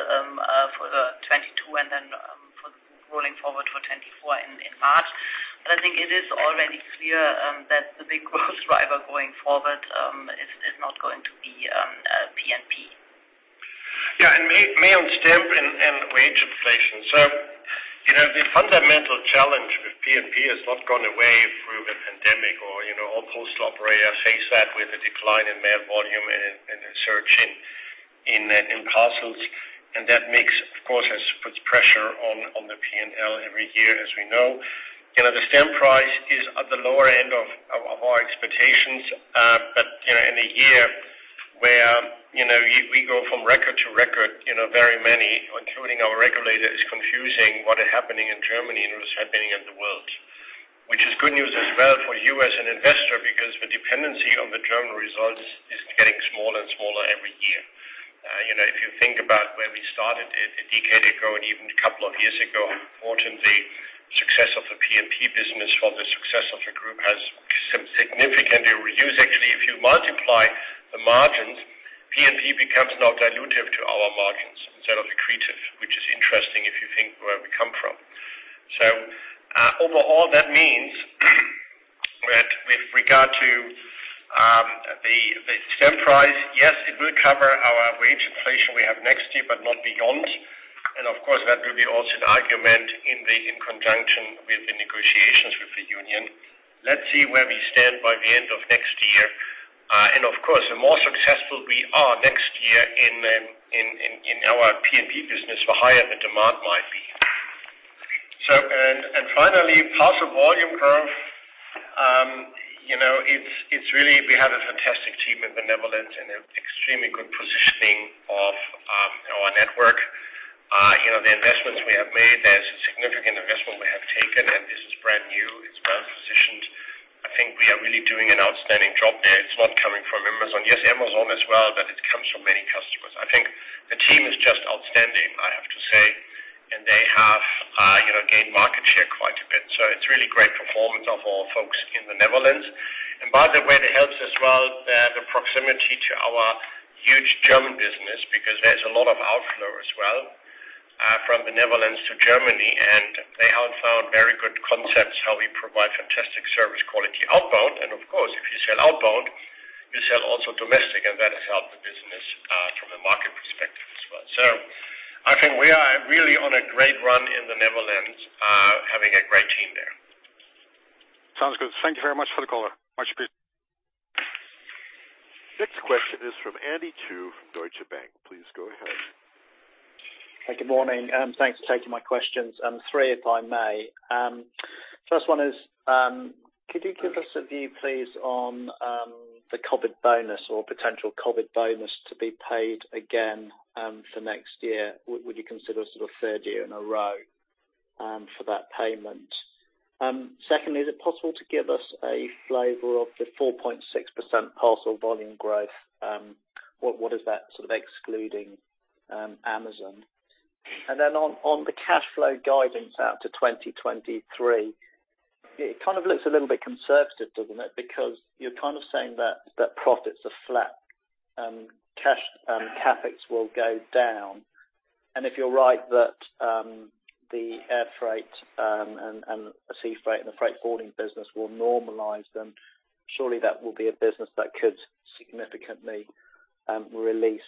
for 2022 and then for rolling forward for 2024 in March. I think it is already clear that the big growth driver going forward is not going to be P&P. Yeah. Mainly on stamp and wage inflation. The fundamental challenge with P&P has not gone away through the pandemic. You know, all postal operators face that with a decline in mail volume and a surge in parcels. That mix, of course, has put pressure on the P&L every year, as we know. You know, the stamp price is at the lower end of our expectations. But you know, in a year where you know, we go from record to record, you know, very many, including our regulators, confusing what is happening in Germany and what is happening in the world, which is good news as well for you as an investor because the dependency on the German results is getting smaller and smaller every year. You know, if you think about where we started a decade ago and even a couple of years ago, importantly, success of the P&P business for the success of the group has significantly reduced. Actually, if you multiply the margins, P&P becomes now dilutive to our margins instead of accretive, which is interesting if you think where we come from. Overall, that means that with regard to the stamp price, yes, it will cover our wage inflation we have next year, but not beyond. Of course, that will be also an argument in conjunction with the negotiations with the union. Let's see where we stand by the end of next year. Of course, the more successful we are next year in our P&P business, the higher the demand might be. Finally, parcel volume growth. We have a fantastic team in the Netherlands and extremely good positioning of our network. The investments we have made, there's a significant investment we have taken, and this is brand new. It's well-positioned. I think we are really doing an outstanding job there. It's not coming from Amazon. Yes, Amazon as well, but it comes from many customers. I think the team is just outstanding, I have to say, and they have gained market share quite a bit. It's really great performance of our folks in the Netherlands. By the way, that helps as well, the proximity to our huge German business, because there's a lot of outflow as well from the Netherlands to Germany. They have found very good concepts how we provide fantastic service quality outbound. Of course, if you sell outbound, we sell also domestic, and that has helped the business from a market perspective as well. I think we are really on a great run in the Netherlands, having a great team there. Sounds good. Thank you very much for the color. Much appreciated. Next question is from Andy Chu from Deutsche Bank. Please go ahead. Hey, good morning. Thanks for taking my questions. Three, if I may. First one is, could you give us a view, please, on the COVID bonus or potential COVID bonus to be paid again, for next year? Would you consider sort of third year in a row, for that payment? Secondly, is it possible to give us a flavor of the 4.6% parcel volume growth? What is that sort of excluding, Amazon? And then on the cash flow guidance out to 2023, it kind of looks a little bit conservative, doesn't it? Because you're kind of saying that profits are flat, cash CapEx will go down. If you're right that the air freight and sea freight and the freight forwarding business will normalize, then surely that will be a business that could significantly release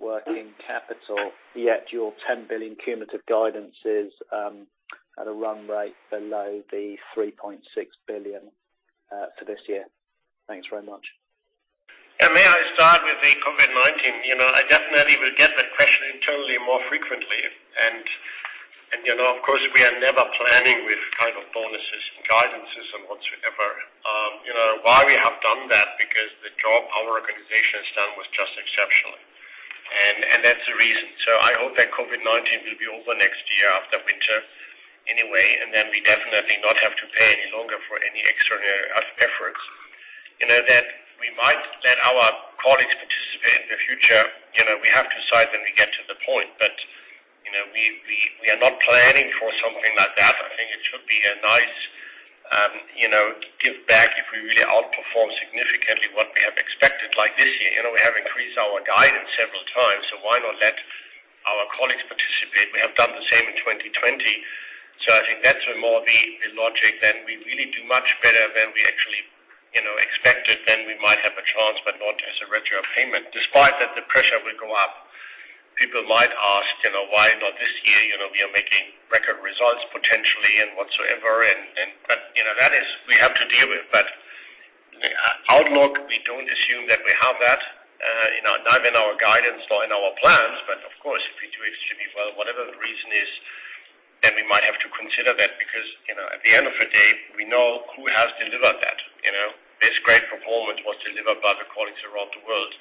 working capital. Yet your 10 billion cumulative guidance is at a run rate below the 3.6 billion for this year. Thanks very much. May I start with the COVID-19? You know, I definitely will get that question internally more frequently. You know, of course, we are never planning with kind of bonuses and guidances and whatsoever. You know, why we have done that? Because the job our organization has done was just exceptional. That's the reason. I hope that COVID-19 will be over next year after winter anyway, and then we definitely not have to pay any longer for any extraordinary efforts. You know, that we might let our colleagues participate in the future. You know, we have to decide when we get to the point. You know, we are not planning for something like that. I think it should be a nice, you know, give back if we really outperform significantly what we have expected like this year. You know, we have increased our guidance several times, so why not let our colleagues participate? We have done the same in 2020. I think that will more be the logic. We really do much better than we actually, you know, expected, then we might have a chance, but not as a regular payment. Despite that, the pressure will go up. People might ask, you know, why not this year? You know, we are making record results potentially and whatsoever and, you know, that is we have to deal with. Outlook, we don't assume that we have that not in our guidance or in our plans. Of course, if we do extremely well, whatever the reason is, then we might have to consider that because, you know, at the end of the day, we know who has delivered that, you know. This great performance was delivered by the colleagues around the world.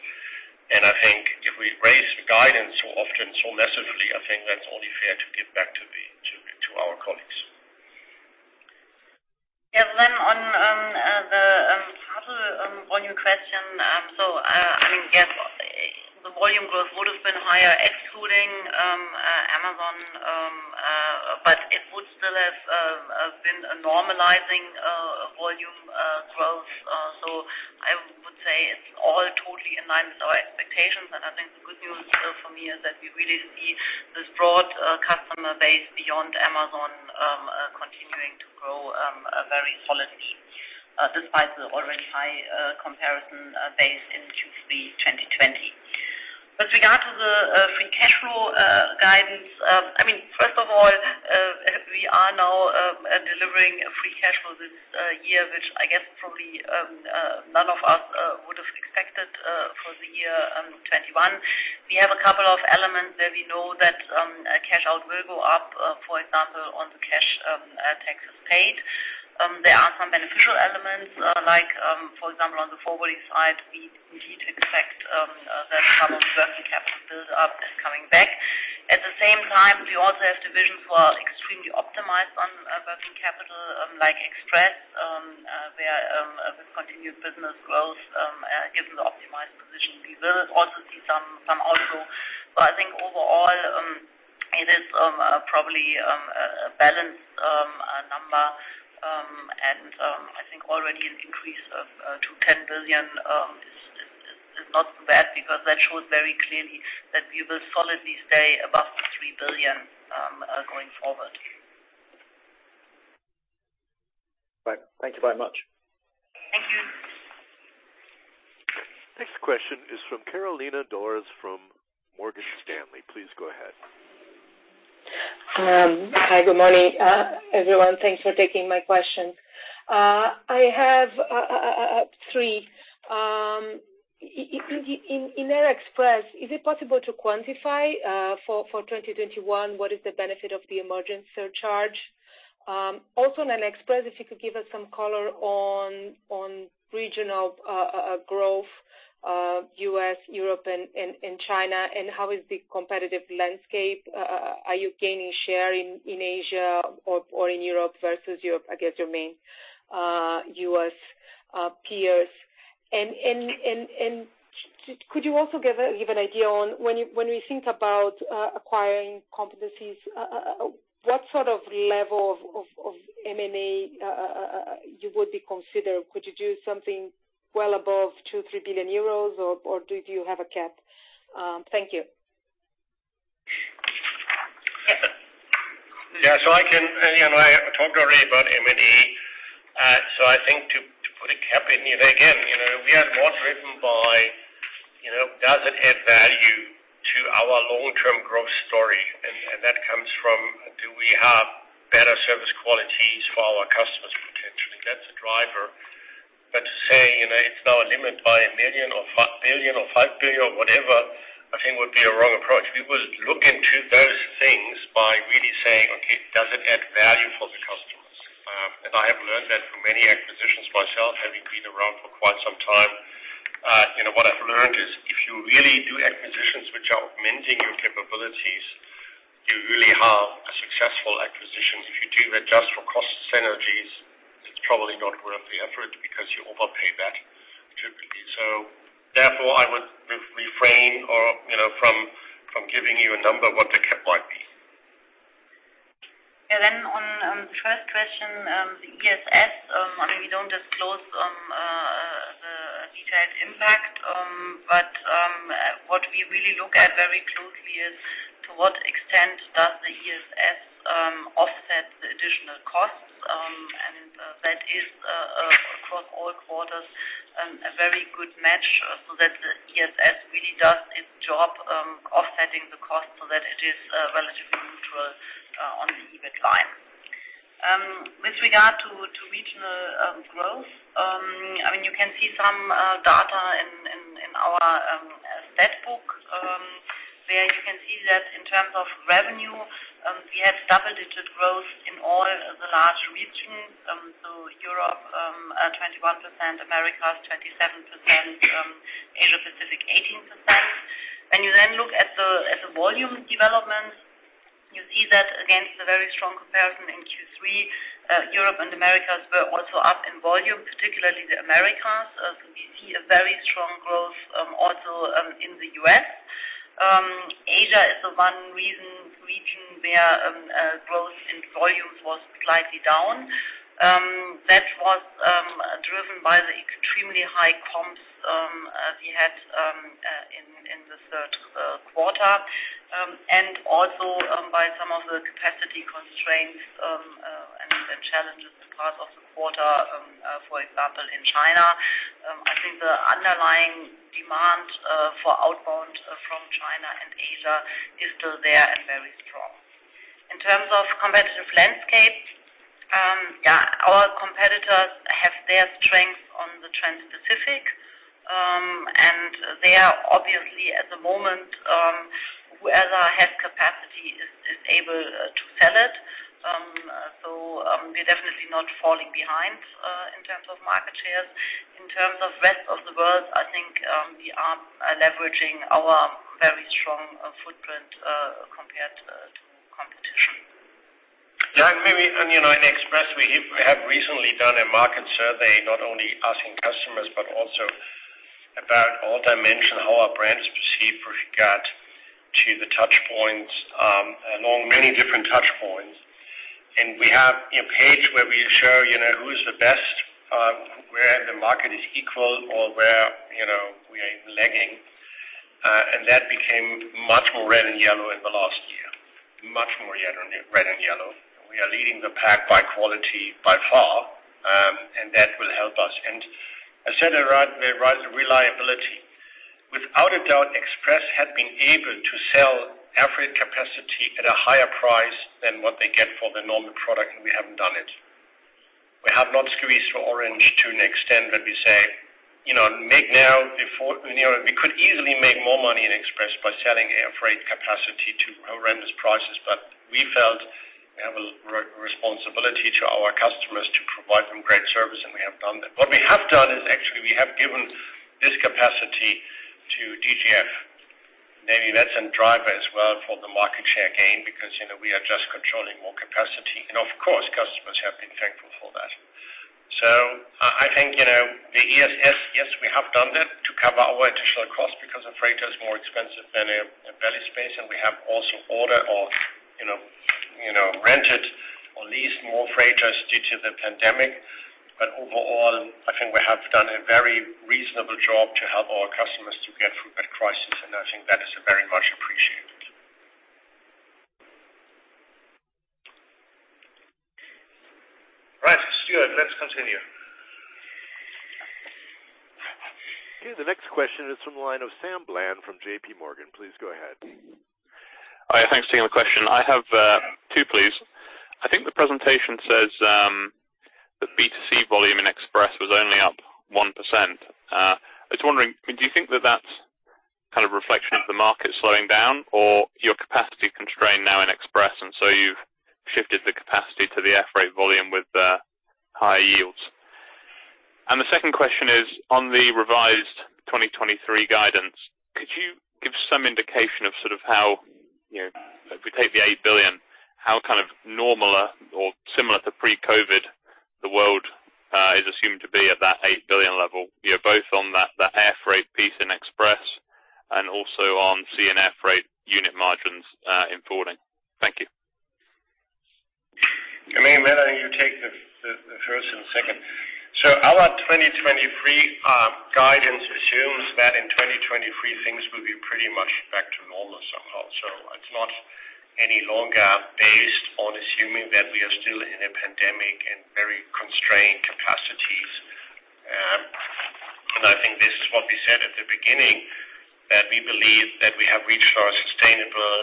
I think if we raise the guidance so often, so massively, I think that's only fair to give back to the, to our colleagues. Yeah. On the parcel volume question. I mean, yes, the volume growth would have been higher excluding Amazon, but it would still have been a normalizing volume growth. I would say it's all totally in line with our expectations. I think the good news for me is that we really see this broad customer base beyond Amazon continuing to grow very solidly despite the already high comparison base in Q3 2020. With regard to the free cash flow guidance, I mean, first of all, we are now delivering a free cash flow this year, which I guess probably none of us would have expected for the year 2021. We have a couple of elements that we know that cash outflows will go up, for example, on the cash taxes paid. There are some beneficial elements, like, for example, on the forwarding side, we indeed expect that some of working capital build-up is coming back. At the same time, we also have divisions that are extremely optimized on working capital, like Express, where with continued business growth, given the optimized position, we will also see some outflow. I think overall it is probably a balanced number. I think already an increase to 10 billion is not bad because that shows very clearly that we will solidly stay above 3 billion going forward. Right. Thank you very much. Thank you. Next question is from Carolina Dores from Morgan Stanley. Please go ahead. Hi, good morning, everyone. Thanks for taking my question. I have three. In Express, is it possible to quantify for 2021 what is the benefit of the emergency surcharge? Also in Express, if you could give us some color on regional growth, U.S., Europe and China, and how is the competitive landscape? Are you gaining share in Asia or in Europe versus your, I guess, your main U.S. peers? Could you also give an idea on when we think about acquiring companies, what sort of level of M&A you would be considered? Could you do something well above 2 billion-3 billion euros or do you have a cap? Thank you. You know, I talked already about M&A. I think to put a cap in here again, you know, we are more driven by, you know, does it add value to our long-term growth story? That comes from, do we have better service qualities for our customers potentially? That's a driver. To say, you know, it's now a limit by 1 million or 1 billion or 5 billion or whatever, I think would be a wrong approach. We would look into those things by really saying, "Okay, does it add value for the customers?" I have learned that from many acquisitions myself, having been around for quite some time. You know, what I've learned is if you really do acquisitions which are augmenting your capabilities, you really have a successful acquisition. If you do that just for cost synergies, it's probably not worth the effort because you overpay that typically. Therefore, I would refrain or, you know, from giving you a number what the cap might be. Yeah. On first question, the ESS, I mean, we don't disclose the detailed impact. What we really look at very closely is to what extent does the ESS offset the additional costs. That is across all quarters a very good match so that the ESS really does its job offsetting the cost so that it is relatively neutral on the EBIT line. With regard to regional growth, I mean, you can see some data in our statbook where you can see that in terms of revenue we have double-digit growth in all the large regions. Europe 21%, Americas 27%, Asia Pacific 18%. When you then look at the volume developments, you see that against a very strong comparison in Q3, Europe and Americas were also up in volume, particularly the Americas. We see a very strong growth also in the U.S. Asia is the one region where growth in volumes was slightly down. That was driven by the extremely high comps we had in the third quarter and also by some of the capacity constraints and challenges in parts of the quarter. For example, in China, I think the underlying demand for outbound from China and Asia is still there and very strong. In terms of competitive landscape, yeah, our competitors have their strength on the Transpacific, and they are obviously at the moment, whoever has capacity is able to sell it. We're definitely not falling behind in terms of market shares. In terms of rest of the world, I think, we are leveraging our very strong footprint compared to competition. Yeah, maybe, you know, in Express, we have recently done a market survey, not only asking customers, but also about all dimension, how our brand is perceived regard to the touchpoints, along many different touchpoints. We have a page where we show, you know, who is the best, where the market is equal or where, you know, we are lagging. That became much more red and yellow in the last year, much more red and yellow. We are leading the pack by quality by far, and that will help us. I said it right, we prize the reliability. Without a doubt, Express had been able to sell air freight capacity at a higher price than what they get for the normal product, and we haven't done it. We have not squeezed the orange to an extent that we say, you know, make now before, you know, we could easily make more money in Express by selling air freight capacity to horrendous prices. We felt we have a responsibility to our customers to provide them great service, and we have done that. What we have done is actually we have given this capacity to DGF. Maybe that's a driver as well for the market share gain because, you know, we are just controlling more capacity. Of course, customers have been thankful for that. I think, you know, the ESS, yes, we have done that to cover our additional costs because a freighter is more expensive than a belly space, and we have also ordered or, you know, you know, rented or leased more freighters due to the pandemic. Overall, I think we have done a very reasonable job to help our customers to get through that crisis, and I think that is very much appreciated. Right, Stuart, let's continue. Okay. The next question is from the line of Sam Bland from JPMorgan. Please go ahead. Hi. Thanks for taking the question. I have two, please. I think the presentation says the B2C volume in Express was only up 1%. I was wondering, I mean, do you think that that's kind of a reflection of the market slowing down or your capacity constrained now in Express, and so you've shifted the capacity to the air freight volume with higher yields? The second question is on the revised 2023 guidance, could you give some indication of sort of how, you know, if we take the 8 billion, how kind of normal or similar to pre-COVID the world is assumed to be at that 8 billion level? You know, both on that, the air freight piece in Express and also on CNF rate unit margins in forwarding. Thank you. Melanie, you take the first and second. Our 2023 guidance assumes that in 2023, things will be pretty much back to normal somehow. It's not any longer based on assuming that we are still in a pandemic and very constrained capacities. I think this is what we said at the beginning, that we believe that we have reached our sustainable,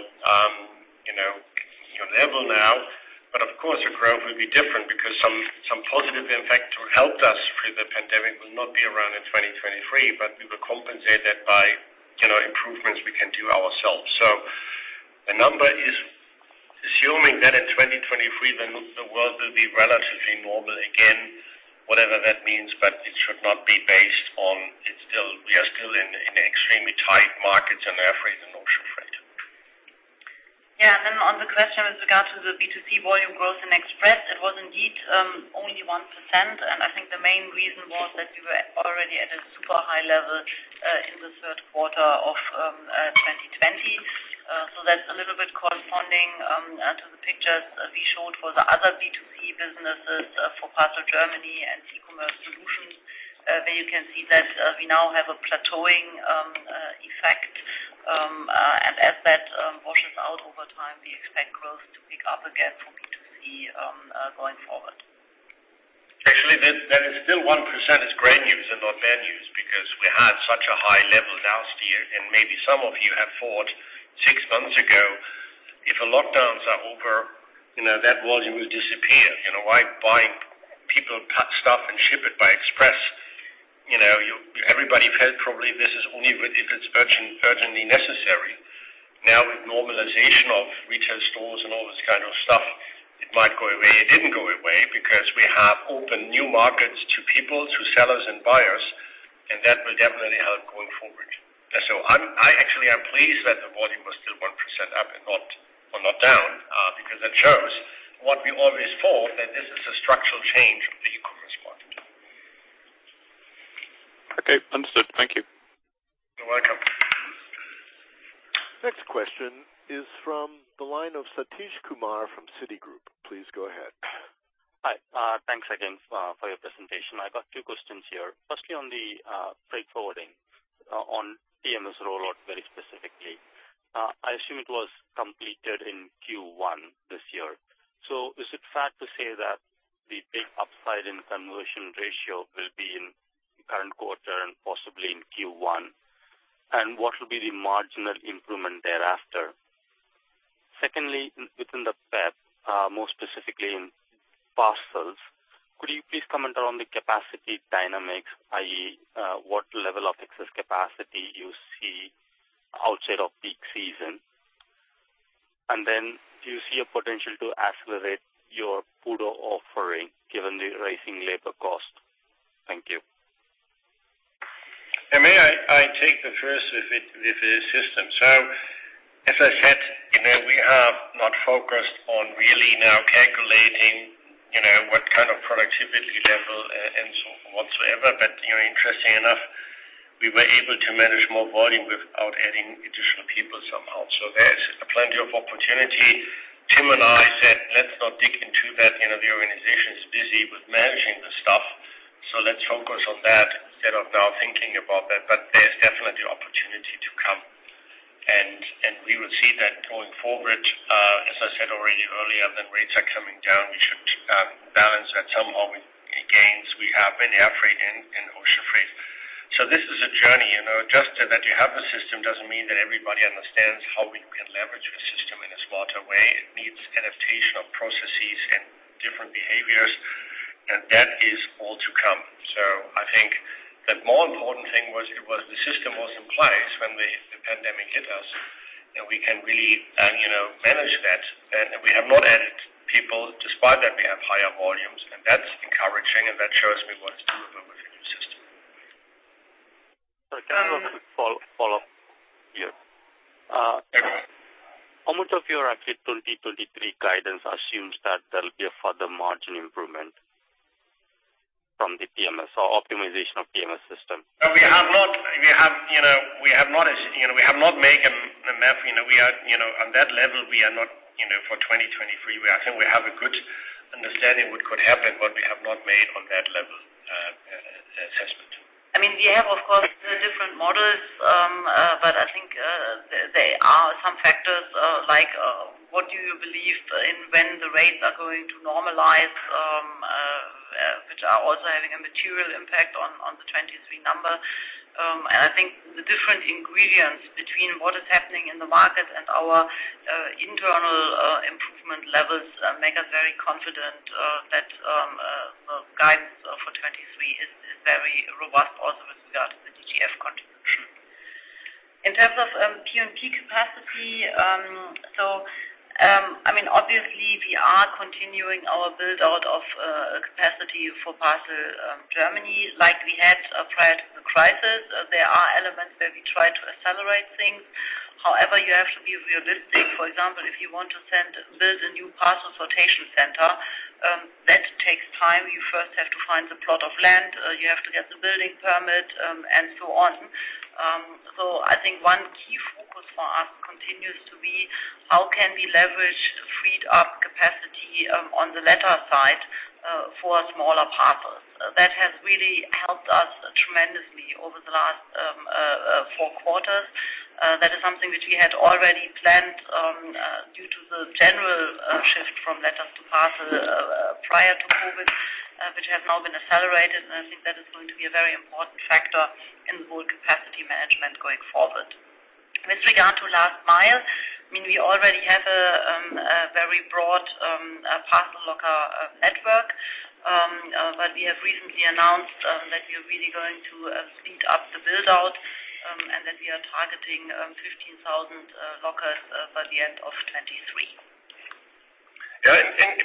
you know, level now. Of course, the growth will be different because some positive impact to help us through the pandemic will not be around in 2023, but we will compensate that by, you know, improvements we can do ourselves. The number is assuming that in 2023, the world will be relatively normal again, whatever that means, but it should not be based on it's still we are still in extremely tight markets in air freight and ocean freight. Yeah. On the question with regard to the B2C volume growth in Express, it was indeed only 1%. I think the main reason was that we were already at a super high level in the third quarter of 2020. That's a little bit corresponding to the pictures we showed for the other B2C businesses for Parcel Germany and eCommerce Solutions. There you can see that we now have a plateauing effect. As that washes out over time, we expect growth to pick up again for B2C going forward. Actually, that is still 1% is great news and not bad news because we had such a high level last year. Maybe some of you have thought six months ago, if the lockdowns are over, you know, that volume will disappear. You know, people pack stuff and ship it by express? You know, everybody felt probably this is only if it's urgently necessary. Now, with normalization of retail stores and all this kind of stuff, it might go away. It didn't go away because we have opened new markets to people, to sellers and buyers, and that will definitely help going forward. I'm actually pleased that the volume was still 1% up and not, well, not down, because that shows what we always thought, that this is a structural change of the e-commerce market. Okay. Understood. Thank you. You're welcome. Next question is from the line of Sathish Sivakumar from Citigroup. Please go ahead. Hi. Thanks again for your presentation. I've got two questions here. Firstly, on the freight forwarding, on TMS rollout very specifically. I assume it was completed in Q1 this year. Is it fair to say that the big upside in conversion ratio will be in current quarter and possibly in Q1? And what will be the marginal improvement thereafter? Secondly, within the P&P, more specifically in parcels, could you please comment on the capacity dynamics, i.e., what level of excess capacity you see outside of peak season? And then do you see a potential to accelerate your PUDO offering given the rising labor cost? Thank you. May I take the first with the system. As I said, you know, we are not focused on really now calculating, you know, what kind of productivity level and so forth whatsoever. You know, interesting enough, we were able to manage more volume without adding additional people somehow. There is plenty of opportunity. Tim and I said, let's not dig into that. You know, the organization is busy with managing the stuff, so let's focus on that instead of now thinking about that. There's definitely opportunity to come. We will see that going forward. As I said already earlier, when rates are coming down, we should balance that somehow with any gains we have in air freight and ocean freight. This is a journey, you know. Just that you have the system doesn't mean that everybody understands how we can leverage the system in a smarter way. It needs adaptation of processes and different behaviors, and that is all to come. I think the more important thing was, it was the system in place when the pandemic hit us and we can really, you know, manage that. We have not added people despite that we have higher volumes. That's encouraging and that shows me what to do about the new system. Can I have a quick follow-up here? How much of your actually 2023 guidance assumes that there will be a further margin improvement from the TMS or optimization of TMS system? We have not, you know, made a map. You know, on that level, we are not for 2023. I think we have a good understanding what could happen, but we have not made on that level assessment. I mean, we have of course different models. I think there are some factors, like, what do you believe in when the rates are going to normalize, which are also having a material impact on the 2023 number. I think the different ingredients between what is happening in the market and our internal improvement levels make us very confident that the guidance for 2023 is very robust also with regard to the DGFF contribution. In terms of P&P capacity, I mean, obviously we are continuing our build-out of capacity for parcel Germany like we had prior to the crisis. There are elements where we try to accelerate things. However, you have to be realistic. For example, if you want to build a new parcel sortation center, that takes time. You first have to find the plot of land, you have to get the building permit, and so on. I think one key focus for us continues to be how can we leverage freed up capacity, on the letter side, for smaller parcels. That has really helped us tremendously over the last four quarters. That is something which we had already planned, due to the general shift from letters to parcels prior to COVID, which has now been accelerated. I think that is going to be a very important factor in whole capacity management going forward. With regard to last mile, I mean, we already have a very broad parcel locker network. We have recently announced that we're really going to speed up the build-out and that we are targeting 15,000 lockers by the end of 2023.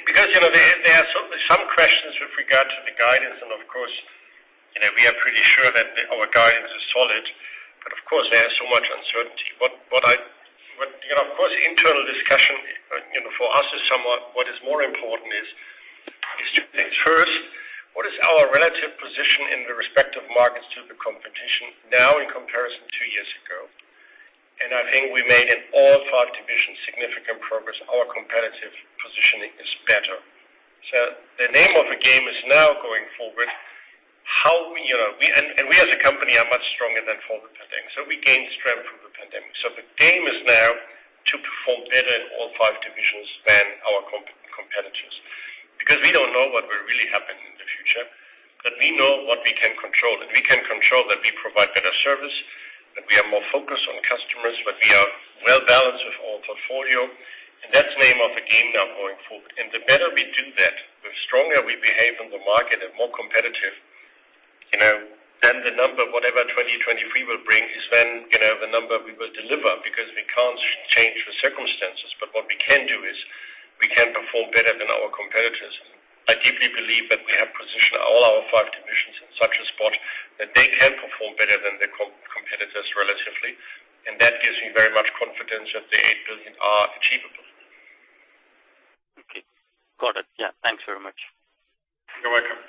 Because, you know, there are some questions with regard to the guidance and of course, you know, we are pretty sure that our guidance is solid, but of course, there is so much uncertainty. You know, of course, internal discussion, you know, for us is somewhat what is more important is to think first what is our relative position in the respective markets to the competition now in comparison to two years ago. I think we made in all five divisions significant progress. Our competitive positioning is better. The name of the game is now going forward, how, you know, we. We as a company are much stronger than before the pandemic. We gained strength from the pandemic. The game is now to perform better in all five divisions than our competitors. Because we don't know what will really happen in the future, but we know what we can control. We can control that we provide better service, that we are more focused on customers, that we are well-balanced with our portfolio. That's the name of the game now going forward. The better we do that, the stronger we behave in the market and more competitive, you know, then the number, whatever 2023 will bring is when, you know, the number we will deliver because we can't change the circumstances. What we can do is we can perform better than our competitors. I deeply believe that we have positioned all our five divisions in such a spot that they can perform better than the competitors relatively. That gives me very much confidence that the 8 billion are achievable. Okay. Got it. Yeah. Thanks very much. You're welcome.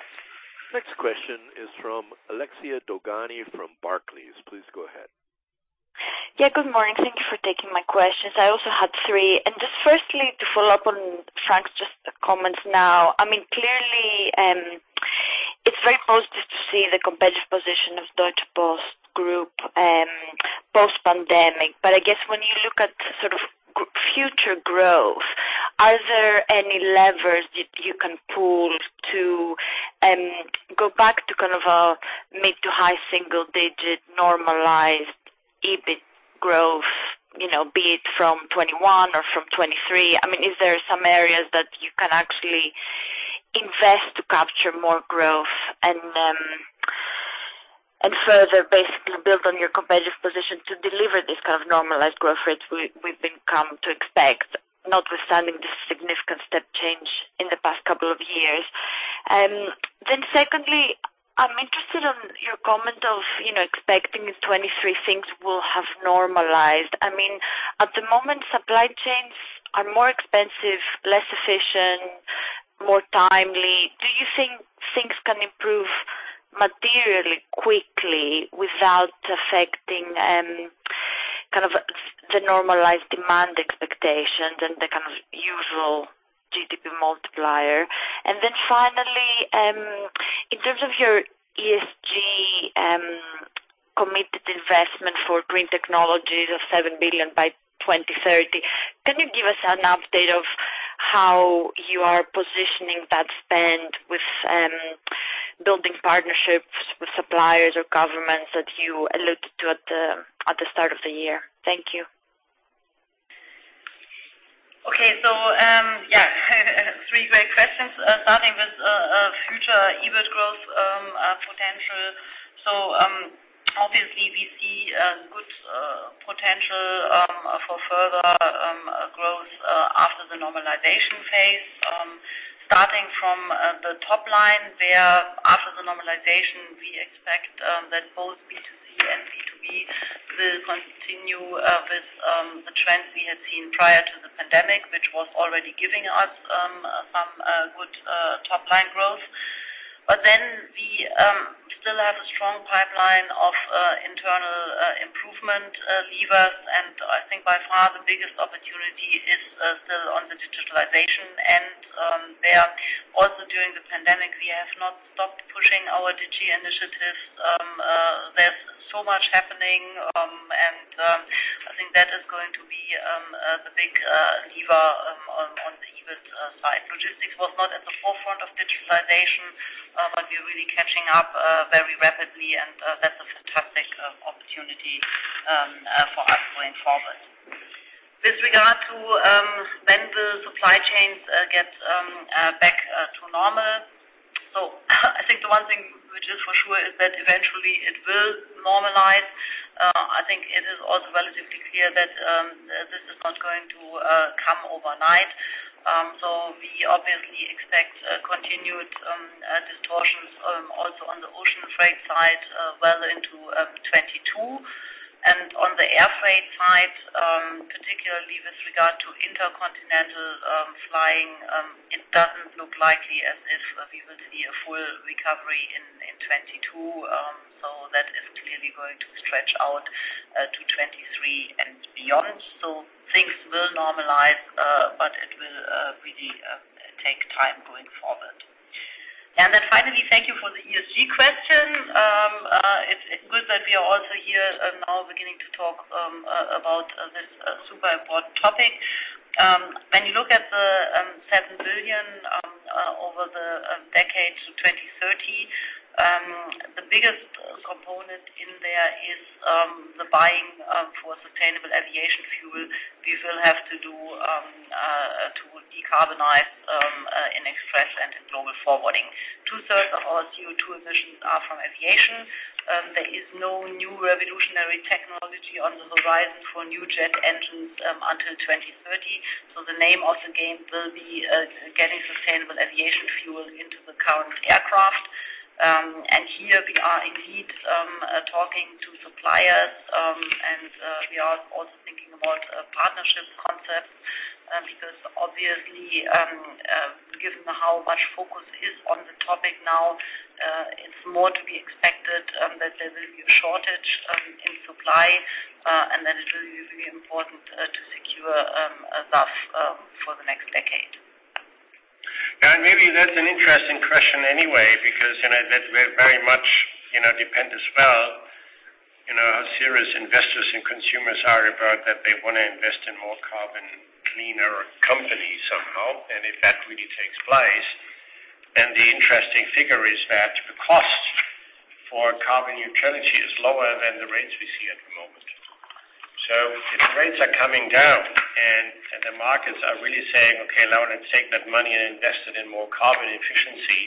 Next question is from Alexia Dogani from Barclays. Please go ahead. Yeah. Good morning. Thank you for taking my questions. I also had three. Just firstly, to follow up on Frank's comments now. I mean, clearly, it's very positive to see the competitive position of Deutsche Post Group post-pandemic. But I guess when you look at sort of future growth, are there any levers that you can pull to go back to kind of a mid-to-high single digit normalized EBIT growth, you know, be it from 2021 or from 2023? I mean, is there some areas that you can actually invest to capture more growth and further basically build on your competitive position to deliver this kind of normalized growth rate we've become to expect, notwithstanding the significant step change in the past couple of years. Secondly, I'm interested in your comment of, you know, expecting in 2023 things will have normalized. I mean, at the moment, supply chains are more expensive, less efficient, less timely. Do you think things can improve materially quickly without affecting, kind of the normalized demand expectations and the kind of usual GDP multiplier? Finally, in terms of your ESG committed investment for green technologies of 7 billion by 2030, can you give us an update of how you are positioning that spend with, building partnerships with suppliers or governments that you alluded to at the start of the year? Thank you. Okay. Yeah, three great questions, starting with future EBIT growth potential. Obviously we see good potential for further growth after the normalization phase. Starting from the top line, where after the normalization, we expect that both B2C and B2B will continue with the trends we had seen prior to the pandemic, which was already giving us some good top-line growth. We still have a strong pipeline of internal improvement levers. I think by far the biggest opportunity is still on the digitalization. There also during the pandemic, we have not stopped pushing our digi initiatives. There's so much happening. I think that is going to be the big lever on the EBIT side. Logistics was not at the forefront of digitalization, but we're really catching up very rapidly, and that's a fantastic opportunity for us going forward. With regard to when the supply chains get back to normal, I think the one thing which is for sure is that eventually it will normalize. I think it is also relatively clear that this is not going to come overnight. We obviously expect continued distortions also on the ocean freight side, well into 2022. On the air freight side, particularly with regard to intercontinental flying, it doesn't look likely as if we will see a full recovery in 2022. That is clearly going to stretch out to 2023 and beyond. Things will normalize, but it will really take time going forward. Finally, thank you for the ESG question. It's good that we are also here now beginning to talk about this super important topic. When you look at the 7 billion over the decade to 2030, the biggest component in there is the buying for sustainable aviation fuel we will have to do to decarbonize in express and in global forwarding. Two-thirds of our CO2 emissions are from aviation. There is no new revolutionary technology on the horizon for new jet engines until 2030. The name of the game will be getting Sustainable Aviation Fuel into the current aircraft. Here we are indeed talking to suppliers and we are also thinking about a partnership concept because obviously given how much focus is on the topic now it's more to be expected that there will be a shortage in supply and that it will be important to secure enough for the next decade. Maybe that's an interesting question anyway, because, you know, that will very much, you know, depend as well, you know, how serious investors and consumers are about that they want to invest in more carbon cleaner companies somehow. If that really takes place, and the interesting figure is that the cost for carbon neutrality is lower than the rates we see at the moment. If the rates are coming down and the markets are really saying, "Okay, now let's take that money and invest it in more carbon efficiency,"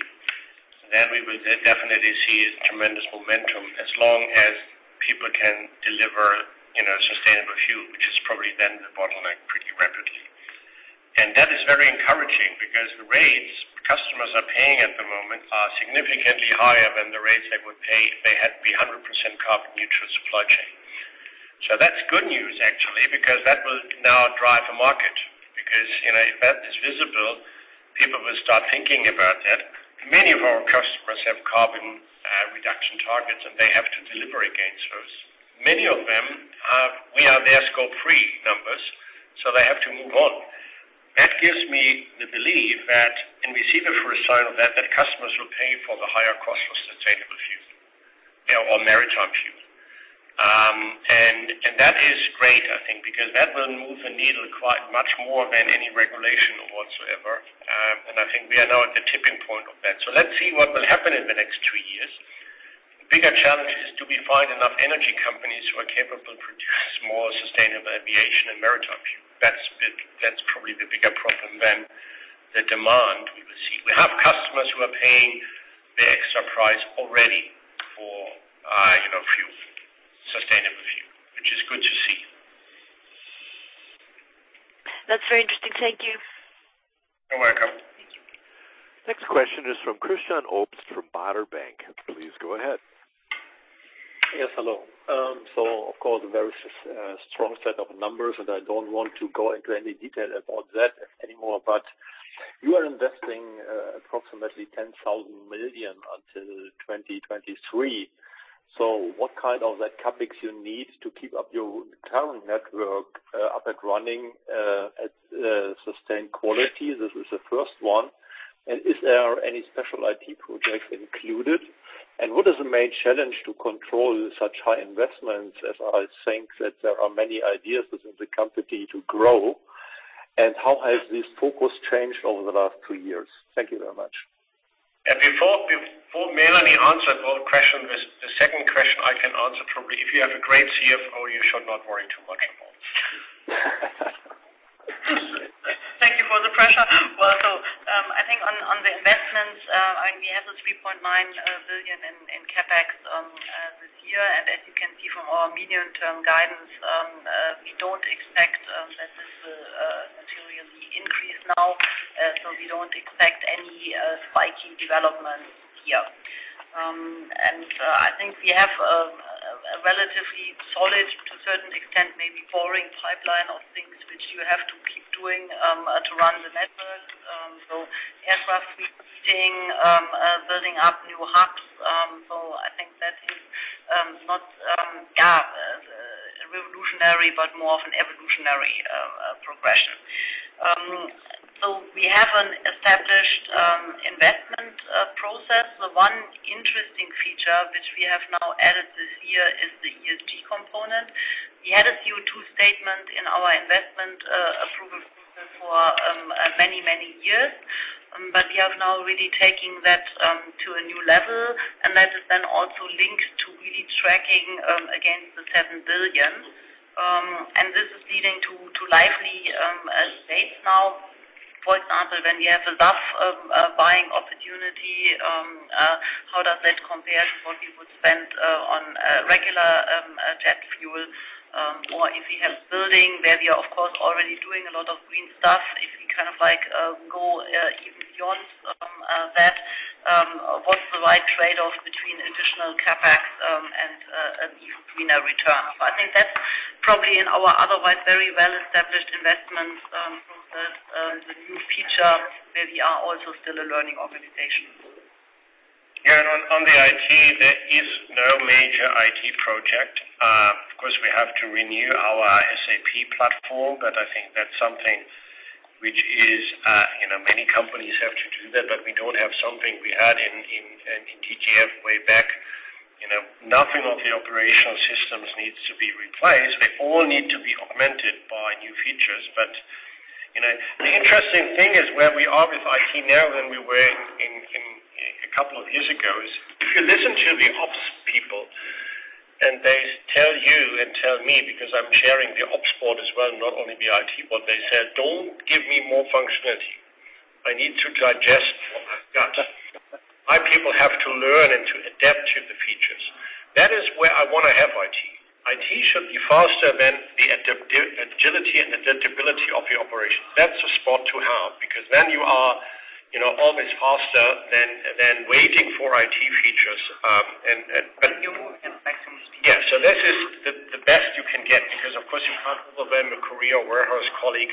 then we will definitely see a tremendous momentum as long as people can deliver, you know, sustainable fuel, which is probably then the bottleneck pretty rapidly. That is very encouraging because the rates customers are paying at the moment are significantly higher than the rates they would pay if they had to be 100% carbon neutral supply chain. That's good news actually, because that will now drive the market because, you know, if that is visible We start thinking about that. Many of our customers have carbon reduction targets, and they have to deliver against those. Many of them have we are their scope three numbers, so they have to move on. That gives me the belief that when we see the first sign of that, customers will pay for the higher cost of sustainable fuel or maritime fuel. That is great, I think, because that will move the needle quite much more than any regulation whatsoever. I think we are now at the tipping point of that. Let's see what will happen in the next two years. The bigger challenge is do we find enough energy companies who are capable to produce more sustainable aviation and maritime fuel? That's probably the bigger problem than the demand we will see. We have customers who are paying the extra price already for, you know, fuel, sustainable fuel, which is good to see. That's very interesting. Thank you. You're welcome. Thank you. Next question is from Christian Obst from Baader Bank. Please go ahead. Yes, hello. Of course, a very strong set of numbers, and I don't want to go into any detail about that anymore, but you are investing approximately 10 billion until 2023. What kind of that CapEx you need to keep up your current network up and running at sustained quality? This is the first one. Is there any special IT project included? What is the main challenge to control such high investments, as I think that there are many ideas within the company to grow, and how has this focus changed over the last two years? Thank you very much. Before Melanie answered your question, the second question I can answer probably. If you have a great CFO, you should not worry too much about. Thank you for the question. Well, I think on the investments, I mean, we have 3.9 billion in CapEx this year. As you can see from our medium-term guidance, we don't expect that this materially increase now. We don't expect any spiky development here. I think we have a relatively solid, to a certain extent, maybe boring pipeline of things which you have to keep doing to run the network. Aircraft fleet building up new hubs. I think that is not revolutionary, but more of an evolutionary progression. We have an established investment process. The one interesting feature which we have now added this year is the ESG component. We had a CO2 statement in our investment approval process for many years, but we are now really taking that to a new level, and that is then also linked to really tracking against 7 billion. This is leading to lively debates now. For example, when we have a SAF buying opportunity, how does that compare to what we would spend on regular jet fuel? Or if we have a building where we are of course already doing a lot of green stuff, if we kind of like go even beyond that, what's the right trade-off between additional CapEx and an even greener return? I think that's probably in our otherwise very well-established investments, the new feature where we are also still a learning organization. On the IT, there is no major IT project. Of course, we have to renew our SAP platform, but I think that's something which is, you know, many companies have to do that, but we don't have something we had in DGF way back. You know, nothing of the operational systems needs to be replaced. They all need to be augmented by new features. You know, the interesting thing is where we are with IT now than we were in a couple of years ago is if you listen to the ops people and they tell you and tell me, because I'm chairing the ops board as well, not only the IT, what they said, "Don't give me more functionality. I need to digest what I've got." My people have to learn and to adapt to the features. That is where I wanna have IT. IT should be faster than the agility and adaptability of the operation. That's a spot to have, because then you are, you know, always faster than waiting for IT features. When you move in maximum speed. Yeah. This is the best you can get because, of course, you can't overwhelm a Korean warehouse colleague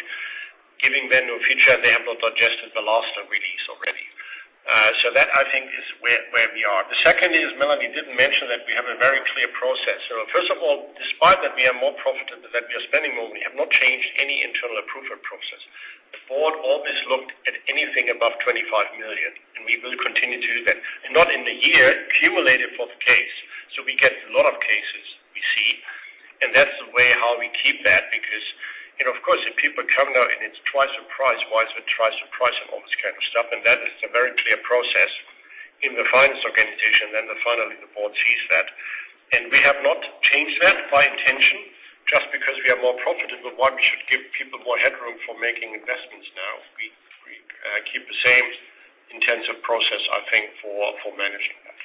giving them new feature, and they have not digested the last release already. That, I think, is where we are. The second is Melanie didn't mention that we have a very clear process. First of all, despite that we are more profitable, that we are spending more, we have not changed any internal approval process. The board always looked at anything above 25 million, and we will continue to do that. Not in the year, cumulative for the case. We get a lot of cases, we see, and that's the way how we keep that because, you know, of course, if people come now and it's twice the price, why is it twice the price and all this kind of stuff? That is a very clear process in the finance organization, and then finally the board sees that. We have not changed that by intention just because we are more profitable. Why we should give people more headroom for making investments now? We keep the same intensive process, I think, for managing that.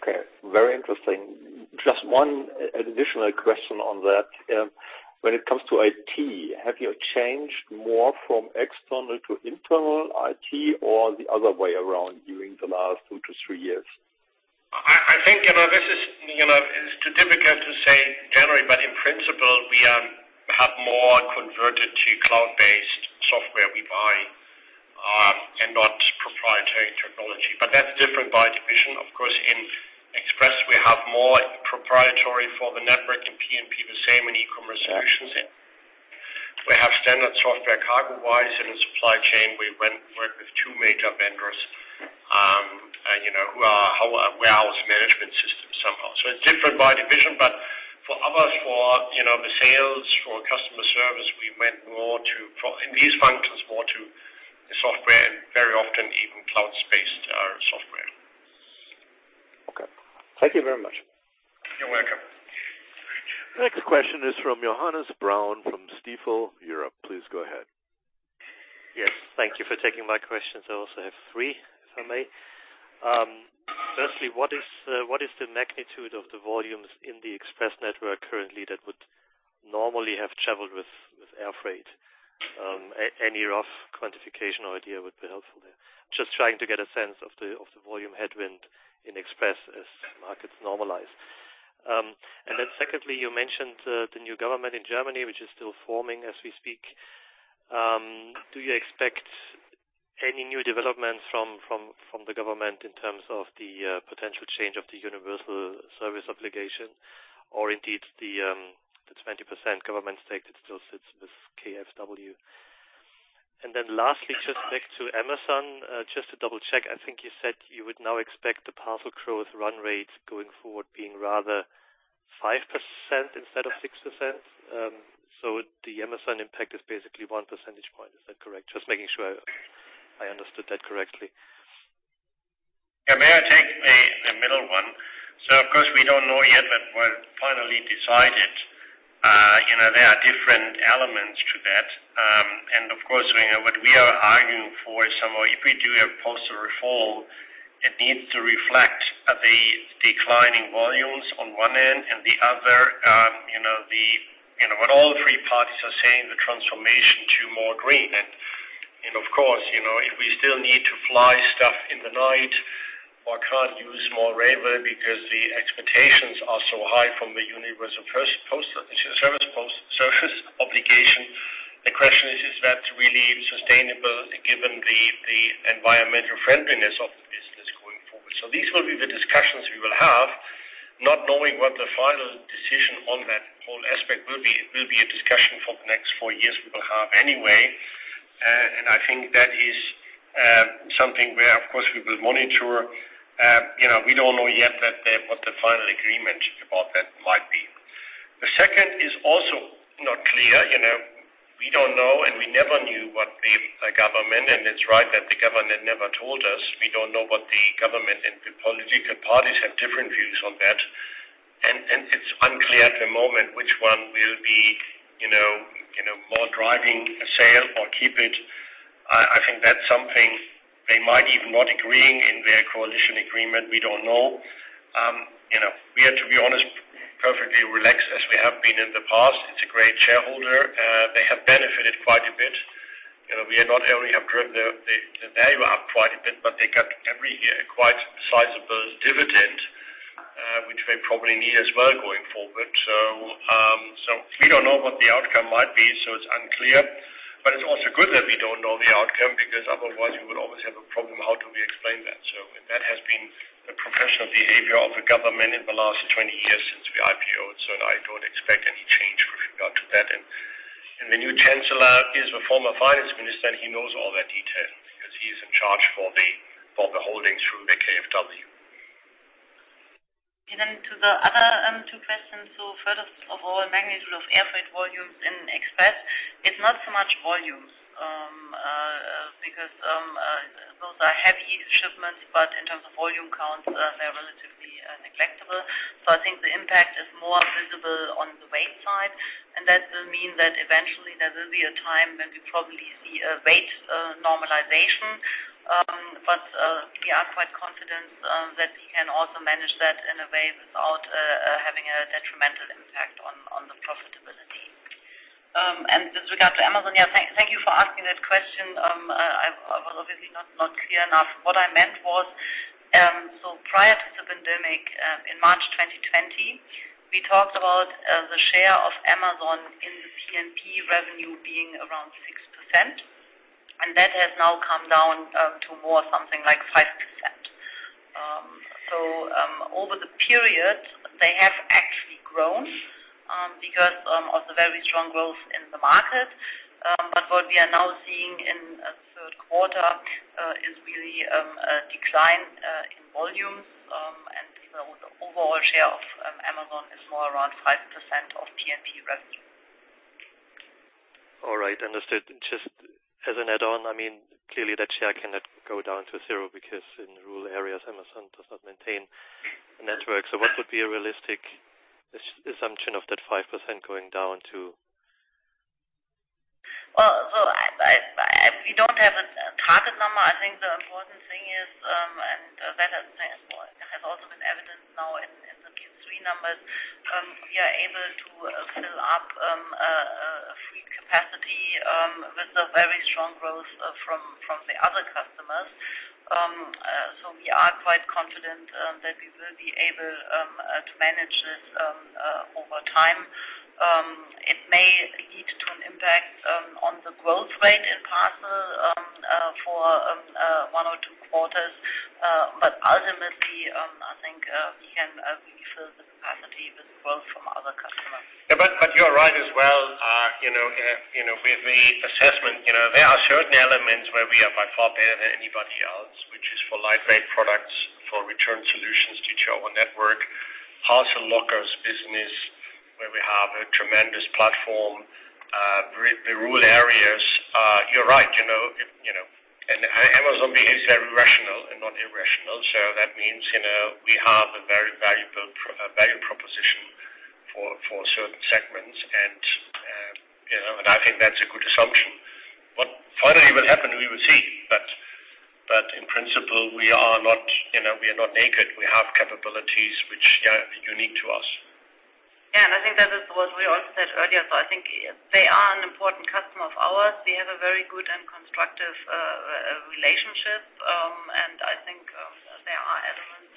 Okay. Very interesting. Just one additional question on that. When it comes to IT, have you changed more from external to internal IT or the other way around during the last two to three years? I think, you know, this is, you know, it's too difficult to say generally, but in principle, we have more converted to cloud-based software we buy, and not proprietary technology. But that's different by division. Of course, in Express, we have more proprietary for the network and P&P, the same in e-commerce solutions. We have standard software CargoWise. In the supply chain, we work with two major vendors, you know, who are our warehouse management system somehow. So it's different by division, but for others, for, you know, the sales, for customer service, we went more to for in these functions, more to the software and very often even cloud-based software. Okay. Thank you very much. You're welcome. Next question is from Johannes Braun from Stifel Europe. Please go ahead. Yes. Thank you for taking my questions. I also have three, if I may. Firstly, what is the magnitude of the volumes in the Express network currently that would normally have traveled with air freight? Any rough quantification or idea would be helpful there. Just trying to get a sense of the volume headwind in Express as markets normalize. Secondly, you mentioned the new government in Germany, which is still forming as we speak. Do you expect any new developments from the government in terms of the potential change of the universal service obligation or indeed the 20% government stake that still sits with KfW? Lastly, just back to Amazon, just to double-check, I think you said you would now expect the parcel growth run rate going forward being rather 5% instead of 6%. The Amazon impact is basically one percentage point. Is that correct? Just making sure I understood that correctly. Yeah, may I take the middle one? Of course, we don't know yet, but we're finally decided, you know, there are different elements to that. Of course, you know, what we are arguing for is somehow if we do have postal reform, it needs to reflect the declining volumes on one end and the other, you know, the, you know, what all three parties are saying, the transformation to more green. Of course, you know, if we still need to fly stuff in the night or can't use more railway because the expectations are so high from the universal postal service obligation, the question is that really sustainable given the environmental friendliness of the business going forward? These will be the discussions we will have, not knowing what the final decision on that whole aspect will be. It will be a discussion for the next four years we will have anyway. I think that is something where, of course, we will monitor. You know, we don't know yet what the final agreement about that might be. The second is also not clear. You know, we don't know and we never knew what the government, and it's right that the government never told us. We don't know what the government and the political parties have different views on that. It's unclear at the moment which one will be, you know, more driving a sale or keep it. I think that's something they might even not agreeing in their coalition agreement. We don't know. You know, we are, to be honest, perfectly relaxed as we have been in the past. It's a great shareholder. They have benefited quite a bit. You know, we are not only have driven the value up quite a bit, but they got every year a quite sizable dividend, which they probably need as well going forward. We don't know what the outcome might be, so it's unclear. It's also good that we don't know the outcome because otherwise we would always have a problem how do we explain that? That has been the professional behavior of the government in the last 20 years since we IPOed. I don't expect any change with regard to that. The new chancellor is a former finance minister, and he knows all that detail because he is in charge for the holdings through the KfW. Then to the other two questions. First of all, magnitude of air freight volumes in Express. It's not so much volumes because those are heavy shipments, but in terms of volume counts, they are relatively negligible. I think the impact is more visible on the weight side, and that will mean that eventually there will be a time when we probably see a weight normalization. But we are quite confident that we can also manage that in a way without having a detrimental impact on the profitability. With regard to Amazon, yeah, thank you for asking that question. I was obviously not clear enough. What I meant was, prior to the pandemic, in March 2020, we talked about the share of Amazon in the P&P revenue being around 6%, and that has now come down to more something like 5%. Over the period, they have actually grown because of the very strong growth in the market. What we are now seeing in third quarter is really a decline in volumes. You know, the overall share of Amazon is more around 5% of P&P revenue. All right. Understood. Just as an add-on, I mean, clearly that share cannot go down to zero because in rural areas, Amazon does not maintain a network. What would be a realistic assumption of that 5% going down to? We don't have a target number. I think the important thing is, and that has also been evident now in numbers, we are able to fill up free capacity with a very strong growth from the other customers. We are quite confident that we will be able to manage this over time. It may lead to an impact on the growth rate in parcel for one or two quarters. Ultimately, I think we can refill the capacity with growth from other customers. Yeah, but you're right as well. You know, with the assessment, you know, there are certain elements where we are by far better than anybody else, which is for lightweight products, for return solutions due to our network, parcel lockers business where we have a tremendous platform, rural areas. You're right, you know, if you know. Amazon is very rational and not irrational, so that means, you know, we have a very valuable value proposition for certain segments and, you know, and I think that's a good assumption. What finally will happen, we will see. In principle, we are not, you know, we are not naked. We have capabilities which are unique to us. Yeah. I think that is what we also said earlier. I think they are an important customer of ours. We have a very good and constructive relationship. I think there are elements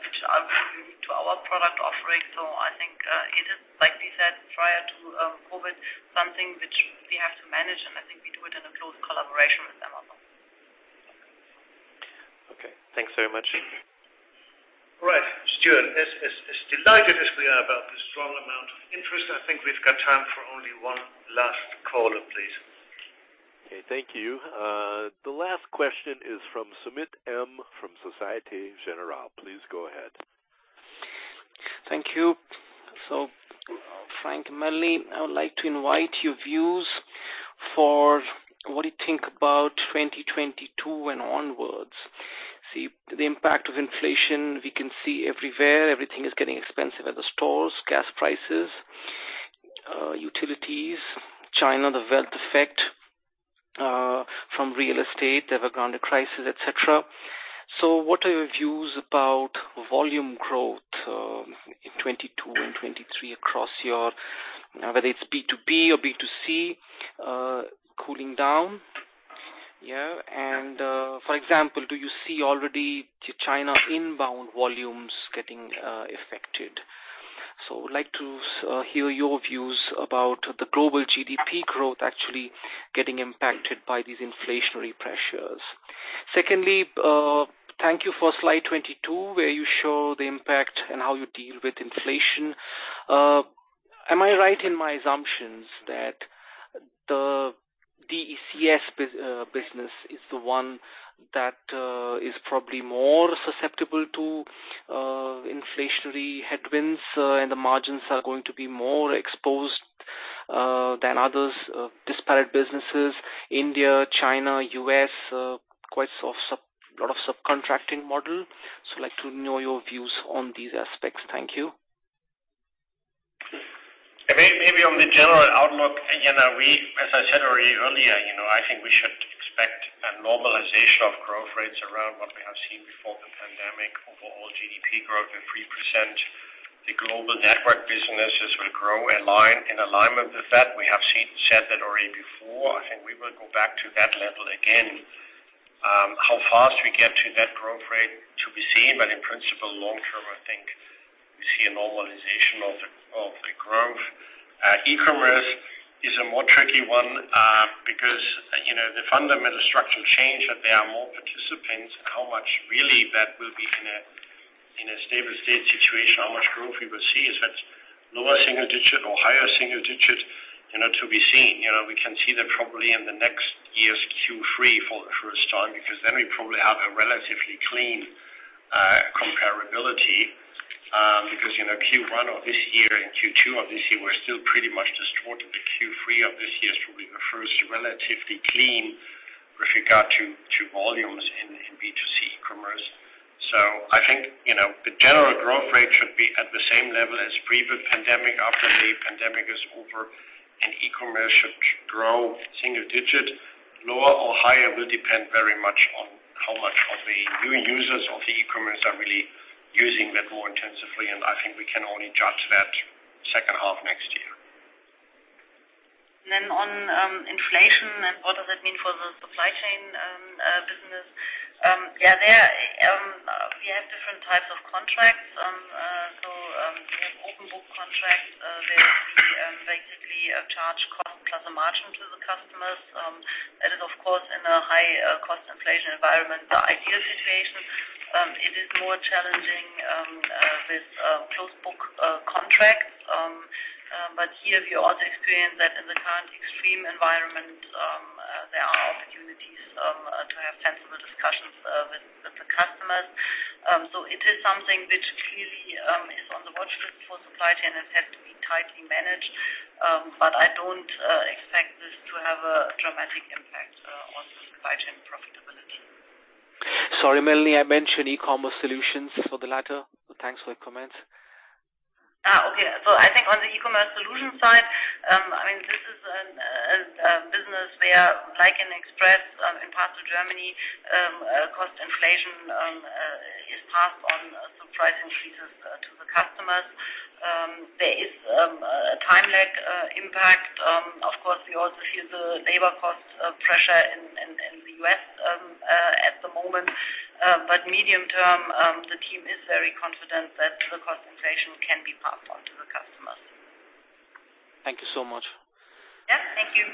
which are really unique to our product offering. I think it is, like we said, prior to COVID, something which we have to manage, and I think we do it in a close collaboration with them also. Okay. Thanks very much. Right. Stuart, as delighted as we are about the strong amount of interest, I think we've got time for only one last caller, please. Okay, thank you. The last question is from Sumit M. from Societe Generale. Please go ahead. Thank you. Frank, Melanie, I would like to invite your views for what you think about 2022 and onwards. The impact of inflation, we can see everywhere. Everything is getting expensive at the stores, gas prices, utilities, China, the wealth effect, from real estate, Evergrande crisis, et cetera. What are your views about volume growth in 2022 and 2023 across your, whether it's B2B or B2C, cooling down? Yeah. For example, do you see already China inbound volumes getting affected? I would like to hear your views about the global GDP growth actually getting impacted by these inflationary pressures. Secondly, thank you for slide 22, where you show the impact and how you deal with inflation. Am I right in my assumptions that the DeCS business is the one that is probably more susceptible to inflationary headwinds, and the margins are going to be more exposed than other disparate businesses in India, China, U.S., quite a lot of subcontracting model. I'd like to know your views on these aspects. Thank you. Maybe on the general outlook, again, as I said already earlier, you know, I think we should expect a normalization of growth rates around what we have seen before the pandemic. Overall GDP growth at 3%. The global network businesses will grow in line, in alignment with that. We said that already before. I think we will go back to that level again. How fast we get to that growth rate to be seen, but in principle, long term, I think we see a normalization of the growth. E-commerce is a more tricky one, because, you know, the fundamental structural change that there are more participants and how much really that will be in a stable state situation, how much growth we will see. Is that lower single digit or higher single digit, you know, to be seen. You know, we can see that probably in the next year's Q3 for the first time, because then we probably have a relatively clean comparability, because, you know, Q1 of this year and Q2 of this year were still pretty much distorted. The Q3 of this year will be the first relatively clean with regard to volumes in B2C e-commerce. I think, you know, the general growth rate should be at the same level as pre the pandemic after the pandemic is over, and e-commerce should grow single-digit. Lower or higher will depend very much on how much of the new users of the e-commerce are really using that more intensively, and I think we can only judge that second half next year. On inflation and what that means for the supply chain business. We have different types of contracts, so we have open book contracts where we basically charge cost plus a margin to the customers. That is, of course, in a high cost inflation environment, the ideal situation. It is more challenging with closed book contracts. Here we also experience that in the current extreme environment there are opportunities to have sensible discussions with the customers. It is something which clearly is on the watchlist for supply chain and has to be tightly managed. I don't expect this to have a dramatic impact on supply chain profitability. Sorry, Melanie. I mentioned e-commerce solutions for the latter. Thanks for the comments. I think on the e-commerce solution side, I mean, this is a business where like in Express, in parts of Germany, cost inflation is passed on as the price increases to the customers. There is a time lag impact. Of course, we also feel the labor cost pressure in the U.S. at the moment. Medium-term, the team is very confident that the cost inflation can be passed on to the customers. Thank you so much. Yeah. Thank you.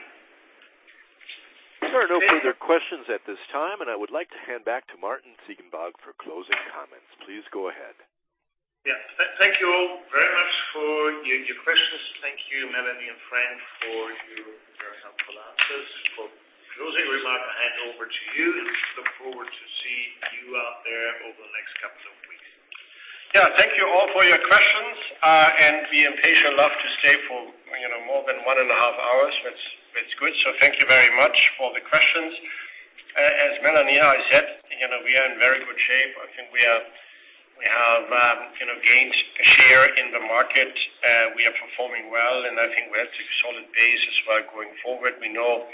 There are no further questions at this time, and I would like to hand back to Martin Ziegenbalg for closing comments. Please go ahead. Yeah. Thank you all very much for your questions. Thank you, Melanie and Frank, for your very helpful answers. For closing remark, I hand over to you and look forward to see you out there over the next couple of weeks. Thank you all for your questions. Participants love to stay for, you know, more than 1.5 hours, which it's good. Thank you very much for the questions. As Melanie and I said, you know, we are in very good shape. I think we have you know gained a share in the market. We are performing well, and I think we have two solid bases going forward. We know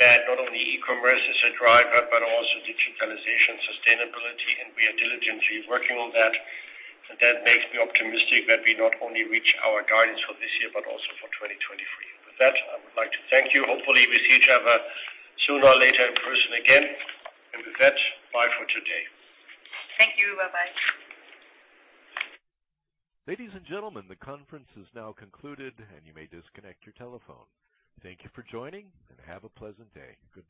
that not only e-commerce is a driver, but also digitalization, sustainability, and we are diligently working on that. That makes me optimistic that we not only reach our guidance for this year, but also for 2023. With that, I would like to thank you. Hopefully, we see each other sooner or later in person again. With that, bye for today. Thank you. Bye-bye. Ladies and gentlemen, the conference is now concluded, and you may disconnect your telephone. Thank you for joining, and have a pleasant day. Goodbye.